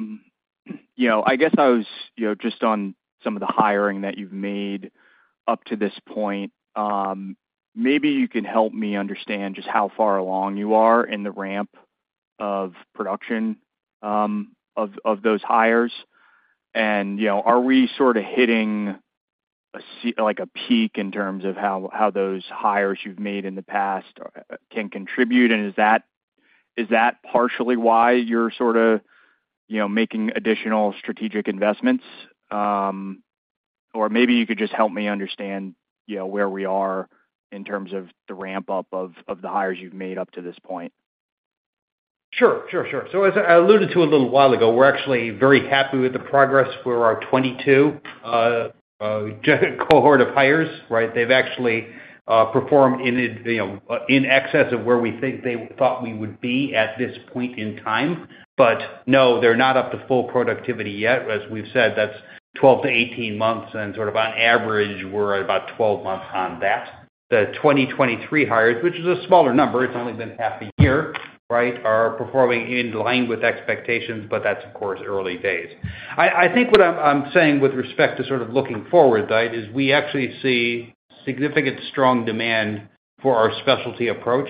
I guess I was, you know, just on some of the hiring that you've made up to this point, maybe you can help me understand just how far along you are in the ramp of production of those hires. you know, are we sort of hitting a peak in terms of how those hires you've made in the past can contribute? is that partially why you're sort of, you know, making additional strategic investments? or maybe you could just help me understand, you know, where we are in terms of the ramp-up of the hires you've made up to this point. Sure. As I alluded to a little while ago, we're actually very happy with the progress for our 22 cohort of hires, right? They've actually performed in a, you know, in excess of where we think they thought we would be at this point in time. No, they're not up to full productivity yet. As we've said, that's 12 to 18 months, and sort of on average, we're at about 12 months on that. The 2023 hires, which is a smaller number, it's only been half a year, right? Are performing in line with expectations, that's of course, early days. I think what I'm saying with respect to sort of looking forward, right, is we actually see significant strong demand for our specialty approach,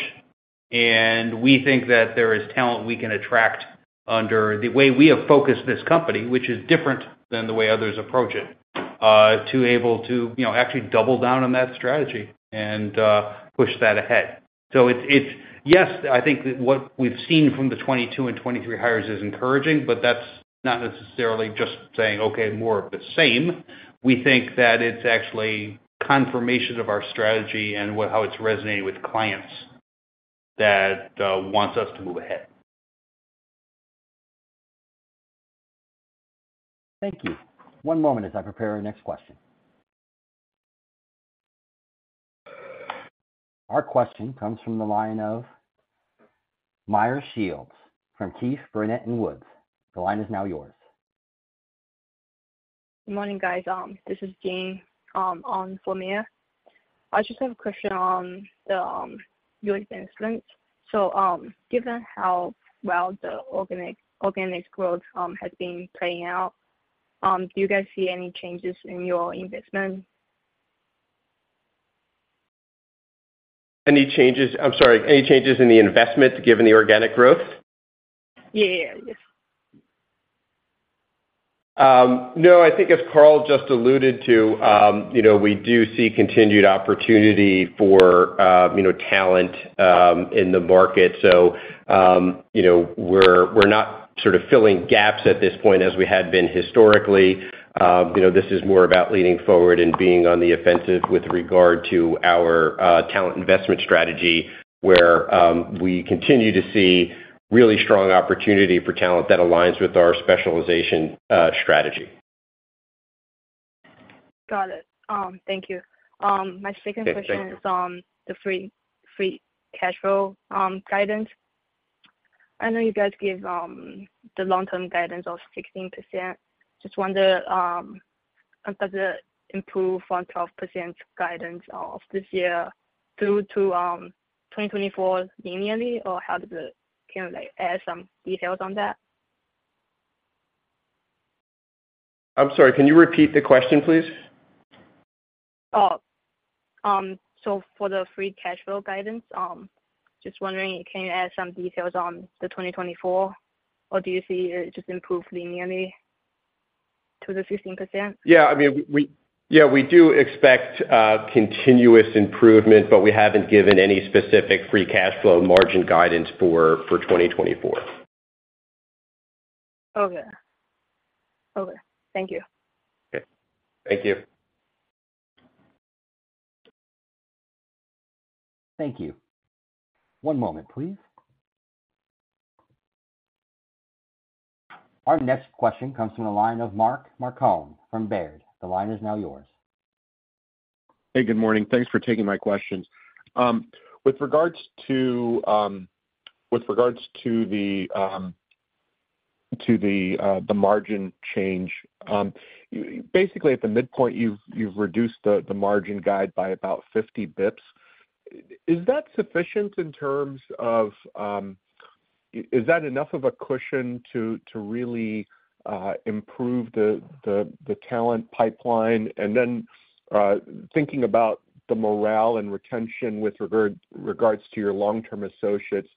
and we think that there is talent we can attract under the way we have focused this company, which is different than the way others approach it, to able to, you know, actually double down on that strategy and push that ahead. So it's yes, I think what we've seen from the 2022 and 2023 hires is encouraging, but that's not necessarily just saying, "Okay, more of the same." We think that it's actually confirmation of our strategy and what how it's resonating with clients that wants us to move ahead. Thank you. One moment as I prepare our next question. Our question comes from the line of Meyer Shields from Keefe, Bruyette & Woods. The line is now yours. Good morning, guys. This is Jian on for Meyer. I just have a question on the U.S., Insurance. Given how well the organic growth has been playing out, do you guys see any changes in your investment? I'm sorry, any changes in the investment given the organic growth? Yeah, yeah. No, I think as Carl just alluded to, you know, we do see continued opportunity for, you know, talent in the market. You know, we're, we're not sort of filling gaps at this point as we had been historically. You know, this is more about leaning forward and being on the offensive with regard to our talent investment strategy, where we continue to see really strong opportunity for talent that aligns with our specialization strategy. Got it. Thank you. My second question. Okay, thank you. is on the free cash flow guidance. I know you guys give the long-term guidance of 16%. Just wonder, does it improve from 12% guidance of this year through to 2024 linearly? Can you, like, add some details on that? I'm sorry, can you repeat the question, please? Oh, yeah.... for the free cash flow guidance, just wondering, can you add some details on the 2024, or do you see it just improve linearly to the 15%? Yeah, I mean, yeah, we do expect continuous improvement, but we haven't given any specific free cash flow margin guidance for 2024. Okay. Okay, thank you. Okay. Thank you. Thank you. One moment, please. Our next question comes from the line of Mark Marcon from Baird. The line is now yours. Hey, good morning. Thanks for taking my questions. With regards to, with regards to the margin change, basically, at the midpoint, you've reduced the margin guide by about 50 basis points. Is that sufficient in terms of, is that enough of a cushion to really improve the talent pipeline? And then, thinking about the morale and retention with regards to your long-term associates,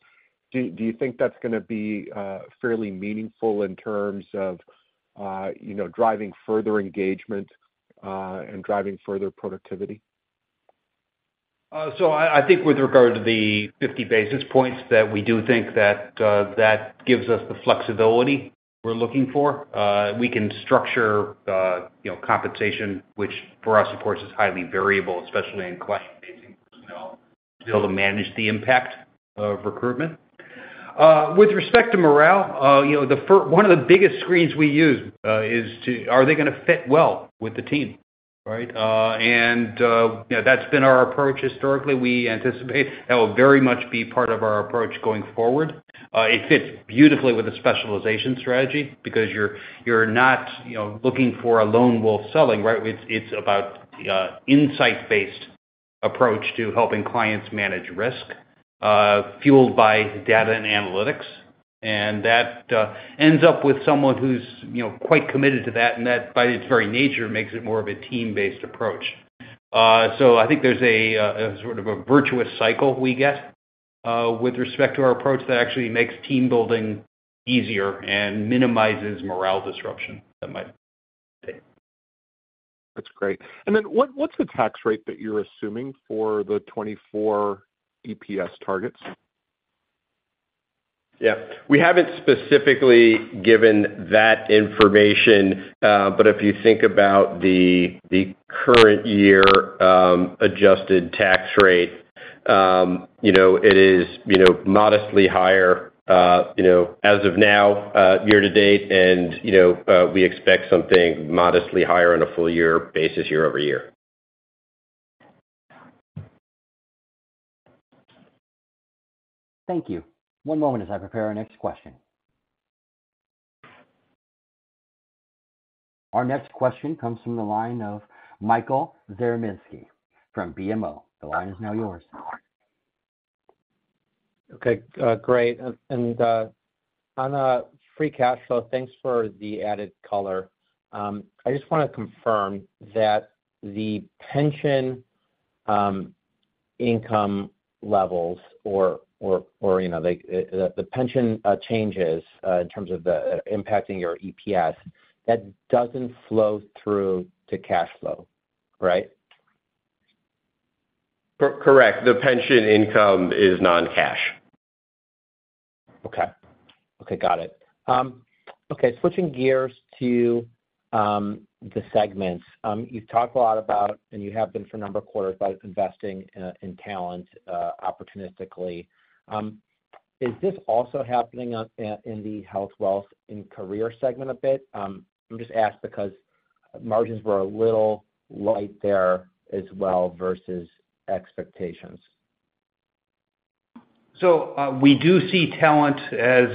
do you think that's gonna be fairly meaningful in terms of, you know, driving further engagement, and driving further productivity? I, I think with regard to the 50 basis points, that we do think that gives us the flexibility we're looking for. We can structure, you know, compensation, which for us, of course, is highly variable, especially in client-facing personnel, to be able to manage the impact of recruitment. With respect to morale, you know, one of the biggest screens we use, is to, are they gonna fit well with the team, right? You know, that's been our approach historically. We anticipate that will very much be part of our approach going forward. It fits beautifully with the specialization strategy because you're not, you know, looking for a lone wolf selling, right? It's about, insight-based approach to helping clients manage risk, fueled by data and analytics. That ends up with someone who's, you know, quite committed to that, and that, by its very nature, makes it more of a team-based approach. I think there's a, a sort of a virtuous cycle we get, with respect to our approach that actually makes team building easier and minimizes morale disruption that might. That's great. What's the tax rate that you're assuming for the 2024 EPS targets? Yeah. We haven't specifically given that information, but if you think about the, the current year, adjusted tax rate, you know, it is, you know, modestly higher, you know, as of now, year to date, and, you know, we expect something modestly higher on a full year basis, year-over-year. Thank you. One moment as I prepare our next question. Our next question comes from the line of Michael Zaremski from BMO. The line is now yours. Okay, great. On free cash flow, thanks for the added color. I just wanna confirm that the pension income levels or, you know, the pension changes in terms of impacting your EPS, that doesn't flow through to cash flow, right? Correct. The pension income is non-cash. Okay. Okay, got it. Okay, switching gears to the segments. You've talked a lot about, and you have been for a number of quarters, about investing in, in talent, opportunistically. Is this also happening on in the Health, Wealth & Career segment a bit? I'm just asking because margins were a little light there as well versus expectations. We do see talent as,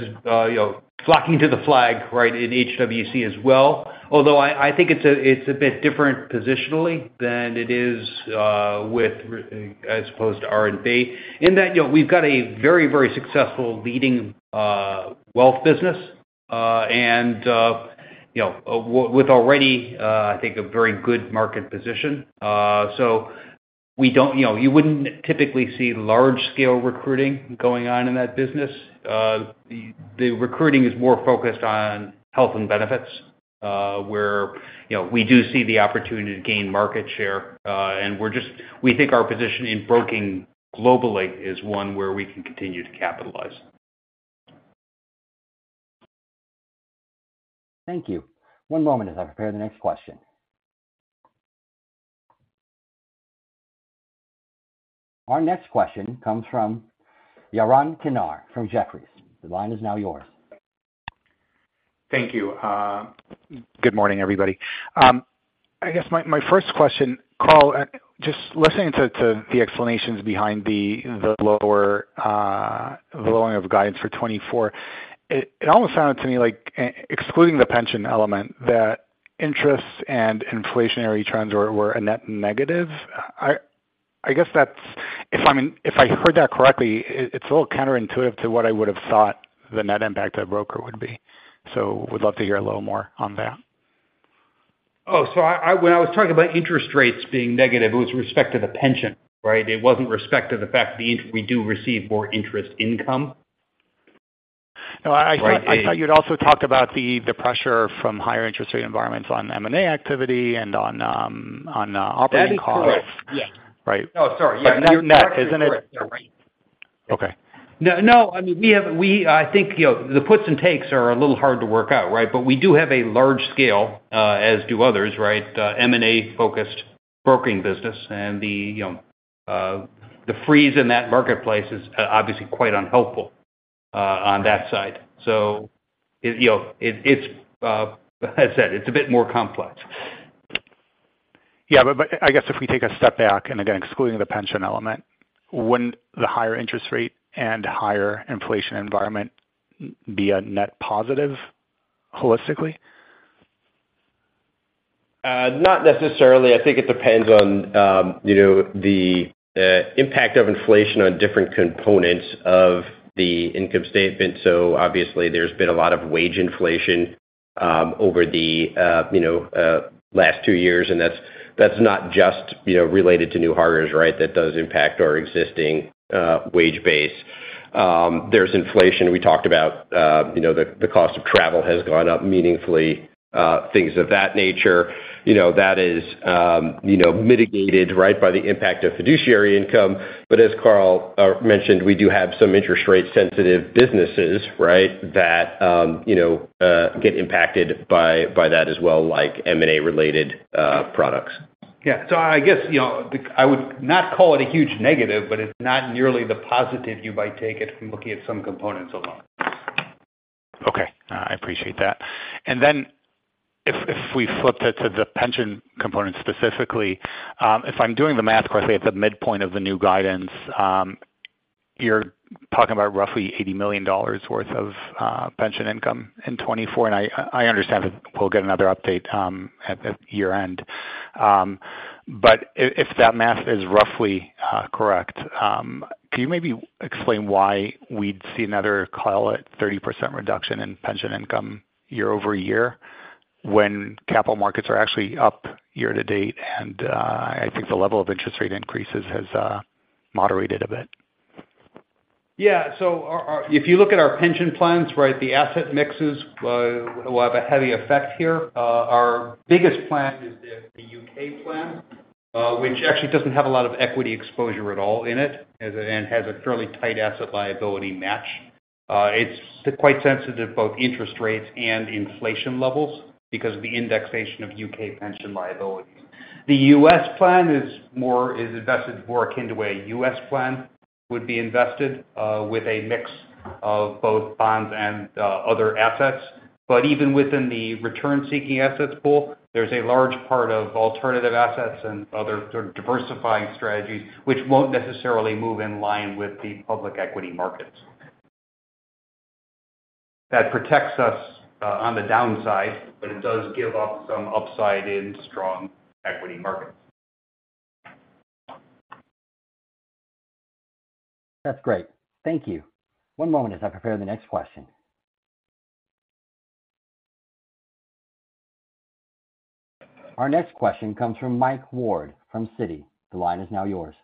you know, flocking to the flag, right, in HWC as well. Although I, I think it's a, it's a bit different positionally than it is with, as opposed to R&B. In that, you know, we've got a very, very successful leading wealth business, and, you know, with already, I think, a very good market position. We don't, you know, you wouldn't typically see large-scale recruiting going on in that business. The recruiting is more focused on health and benefits, where, you know, we do see the opportunity to gain market share, we think our position in broking globally is one where we can continue to capitalize. Thank you. One moment as I prepare the next question. Our next question comes from Yaron Kinar from Jefferies. The line is now yours. Thank you. Good morning, everybody. I guess my first question, Carl, just listening to the explanations behind the lower, the lowering of guidance for 2024, it almost sounded to me like, excluding the pension element, that interest and inflationary trends were a net negative. I guess that's, if I heard that correctly, it's a little counterintuitive to what I would have thought the net impact of broker would be. Would love to hear a little more on that. When I was talking about interest rates being negative, it was with respect to the pension, right? It wasn't with respect to the fact that we do receive more interest income. I thought you'd also talked about the pressure from higher interest rate environments on M&A activity and on operating costs. Yes. Right. No, sorry. Yeah. Net, isn't it? You're right. Okay. No, no. I mean, we, I think, you know, the puts and takes are a little hard to work out, right? We do have a large scale, as do others, right, M&A-focused brokering business. The, you know, the freeze in that marketplace is obviously quite unhelpful, on that side. You know, it, it's, as I said, it's a bit more complex. Yeah, I guess if we take a step back, and again, excluding the pension element, wouldn't the higher interest rate and higher inflation environment be a net positive holistically? Not necessarily. I think it depends on the impact of inflation on different components of the income statement. Obviously, there's been a lot of wage inflation over the last 2 years, and that's not just related to new hires, right? That does impact our existing wage base. There's inflation. We talked about the cost of travel has gone up meaningfully, things of that nature. That is mitigated, right, by the impact of fiduciary income. As Carl mentioned, we do have some interest rate-sensitive businesses, right, that get impacted by that as well, like M&A-related products. Yeah. I guess, you know, I would not call it a huge negative, but it's not nearly the positive you might take it from looking at some components alone. Okay, I appreciate that. If, if we flipped it to the pension component specifically, if I'm doing the math correctly, at the midpoint of the new guidance, you're talking about roughly $80 million worth of pension income in 2024. I, I understand that we'll get another update at year-end. But if that math is roughly correct, can you maybe explain why we'd see another call at 30% reduction in pension income year-over-year, when capital markets are actually up year-to-date? I think the level of interest rate increases has moderated a bit. If you look at our pension plans, right, the asset mixes will have a heavy effect here. Our biggest plan is the UK plan, which actually doesn't have a lot of equity exposure at all in it, and has a fairly tight asset liability match. It's quite sensitive, both interest rates and inflation levels, because of the indexation of UK pension liabilities. The U.S., plan is more, is invested more akin to a U.S., plan, would be invested with a mix of both bonds and other assets. Even within the return-seeking assets pool, there's a large part of alternative assets and other sort of diversifying strategies, which won't necessarily move in line with the public equity markets. That protects us on the downside, but it does give up some upside in strong equity markets. That's great. Thank you. One moment as I prepare the next question. Our next question comes from Michael Ward from Citi. The line is now yours.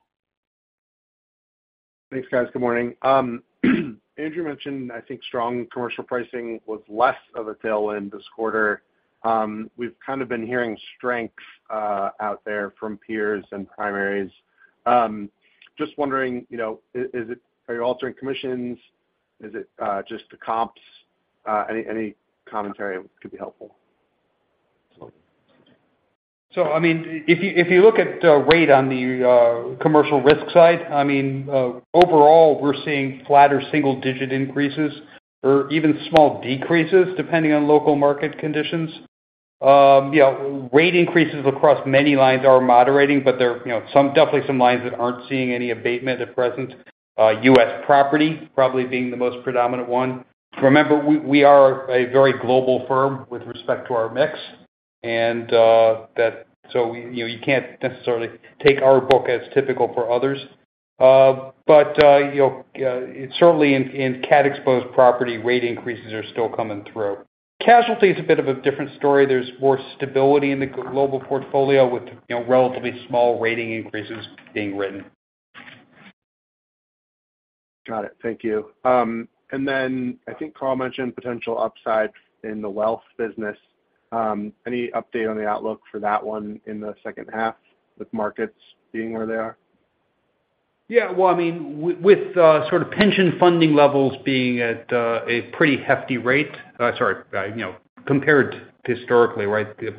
Thanks, guys. Good morning. Andrew mentioned, I think, strong commercial pricing was less of a tailwind this quarter. We've kind of been hearing strength out there from peers and primaries. Just wondering, you know, are you altering commissions? Is it just the comps? Any, any commentary could be helpful. I mean, if you, if you look at the rate on the commercial risk side, I mean, overall, we're seeing flatter single-digit increases or even small decreases, depending on local market conditions. You know, rate increases across many lines are moderating, but there are, you know, some, definitely some lines that aren't seeing any abatement at present. U.S. property probably being the most predominant one. Remember, we are a very global firm with respect to our mix, you know, you can't necessarily take our book as typical for others. You know, certainly in cat-exposed property, rate increases are still coming through. Casualty is a bit of a different story. There's more stability in the global portfolio with, you know, relatively small rating increases being written. Got it. Thank it. I think Carl mentioned potential upside in the Wealth business. Any update on the outlook for that one in the second half, with markets being where they are? Yeah, well, I mean, with sort of pension funding levels being at a pretty hefty rate, sorry, you know, compared historically, right, the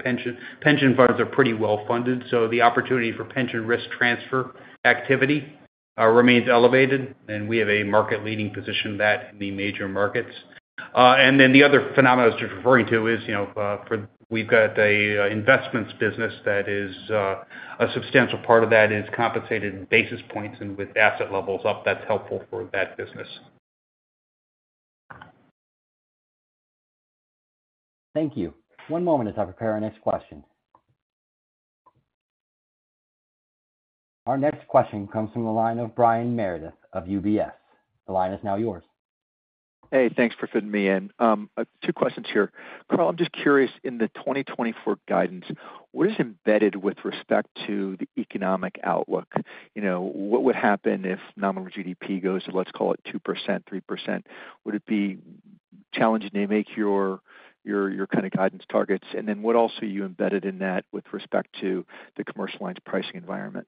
pension funds are pretty well funded, so the opportunity for pension risk transfer activity, remains elevated, and we have a market-leading position in that in the major markets. The other phenomenon you're referring to is, you know, we've got a investments business that is a substantial part of that is compensated in basis points, and with asset levels up, that's helpful for that business. Thank you. One moment as I prepare our next question. Our next question comes from the line of Brian Meredith of UBS. The line is now yours. Hey, thanks for fitting me in. Two questions here. Carl, I'm just curious, in the 2024 guidance, what is embedded with respect to the economic outlook? You know, what would happen if Nominal GDP goes to, let's call it 2%, 3%? Would it be challenging to make your kind of guidance targets? What else are you embedded in that with respect to the commercial lines pricing environment?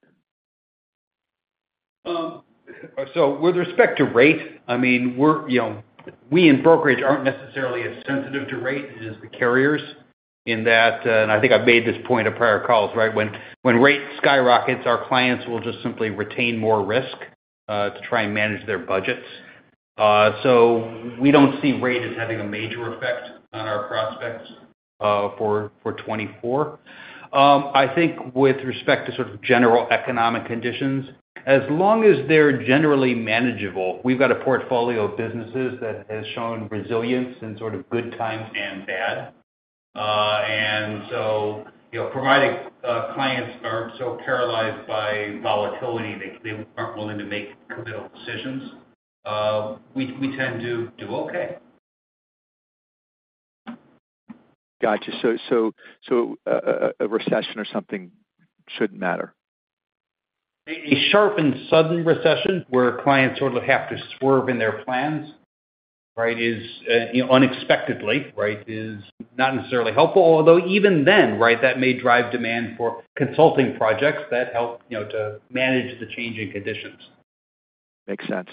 With respect to rate, I mean, we're, you know, we in brokerage aren't necessarily as sensitive to rate as the carriers in that, and I think I've made this point of prior calls, right? When rate skyrockets, our clients will just simply retain more risk, to try and manage their budgets. We don't see rate as having a major effect on our prospects, for 2024. I think with respect to sort of general economic conditions, as long as they're generally manageable, we've got a portfolio of businesses that has shown resilience in sort of good times and bad. You know, providing clients aren't so paralyzed by volatility, they aren't willing to make decisions, we tend to do okay. Got you. A recession or something shouldn't matter? A sharp and sudden recession where clients sort of have to swerve in their plans, right, is, you know, unexpectedly, right, is not necessarily helpful. Even then, right, that may drive demand for consulting projects that help, you know, to manage the changing conditions. Makes sense.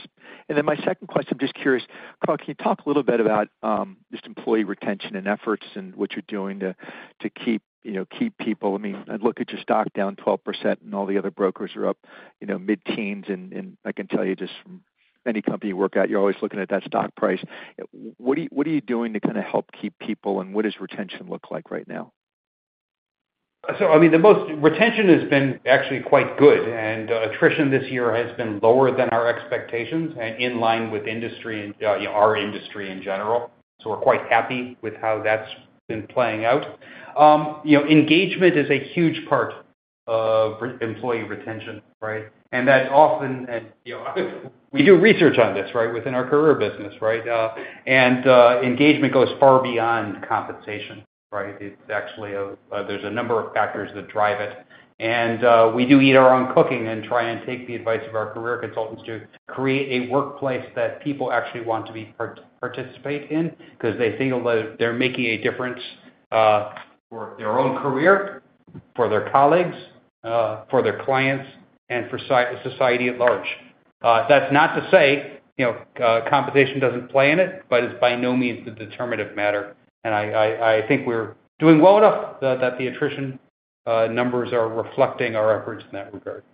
My second question, just curious. Carl, can you talk a little bit about just employee retention and efforts and what you're doing to keep, you know, keep people? I mean, I look at your stock down 12% and all the other brokers are up, you know, mid-teens. I can tell you just from any company you work at, you're always looking at that stock price. What are you doing to kind of help keep people? What does retention look like right now? I mean, the most retention has been actually quite good, and attrition this year has been lower than our expectations and in line with industry and our industry in general. We're quite happy with how that's been playing out. You know, engagement is a huge part of employee retention, right? That's often, and, you know, we do research on this, right, within our career business, right? And engagement goes far beyond compensation, right? It's actually a, there's a number of factors that drive it. We do eat our own cooking and try and take the advice of our career consultants to create a workplace that people actually want to participate in because they feel that they're making a difference, for their own career, for their colleagues, for their clients, and for society at large. That's not to say, you know, compensation doesn't play in it, but it's by no means the determinative matter. I think we're doing well enough that the attrition, numbers are reflecting our efforts in that regard.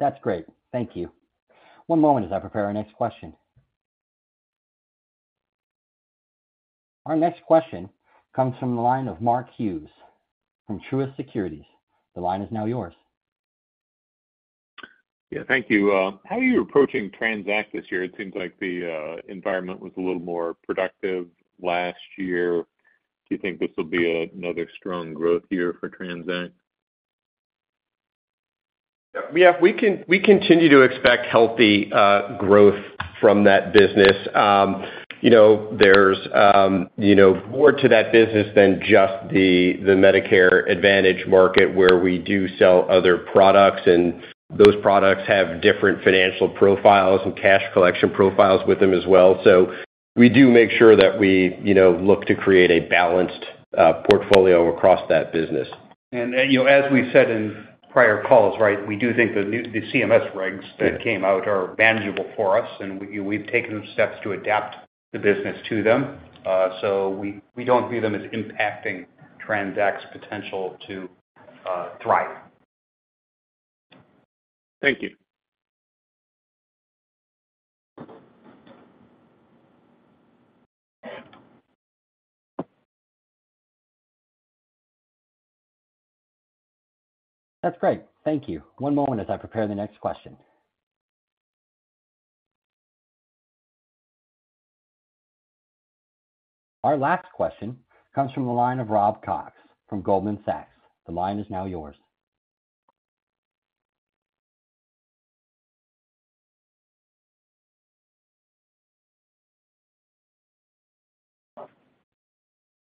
That's great. Thank you. One moment as I prepare our next question. Our next question comes from the line of Mark Hughes from Truist Securities. The line is now yours. Thank you. How are you approaching TRANZACT this year? It seems like the environment was a little more productive last year. Do you think this will be another strong growth year for TRANZACT? Yeah, we continue to expect healthy growth from that business. You know, there's, you know, more to that business than just the Medicare Advantage market, where we do sell other products, and those products have different financial profiles and cash collection profiles with them as well. We do make sure that we, you know, look to create a balanced portfolio across that business. You know, as we've said in prior calls, right, we do think the new, the CMS regs that came out are manageable for us, and we've taken steps to adapt the business to them. We don't view them as impacting TRANZACT's potential to thrive. Thank you. That's great. Thank you. One moment as I prepare the next question. Our last question comes from the line of Robert Cox from Goldman Sachs. The line is now yours.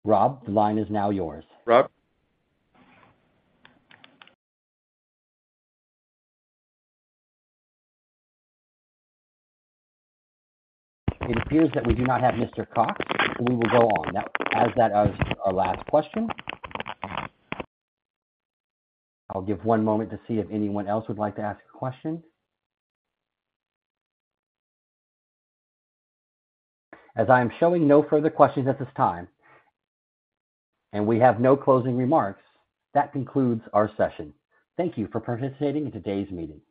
Rob, the line is now yours. Rob? It appears that we do not have Mr. Cox, so we will go on. That as that, our last question. I'll give one moment to see if anyone else would like to ask a question. As I am showing no further questions at this time, and we have no closing remarks, that concludes our session. Thank you for participating in today's meeting.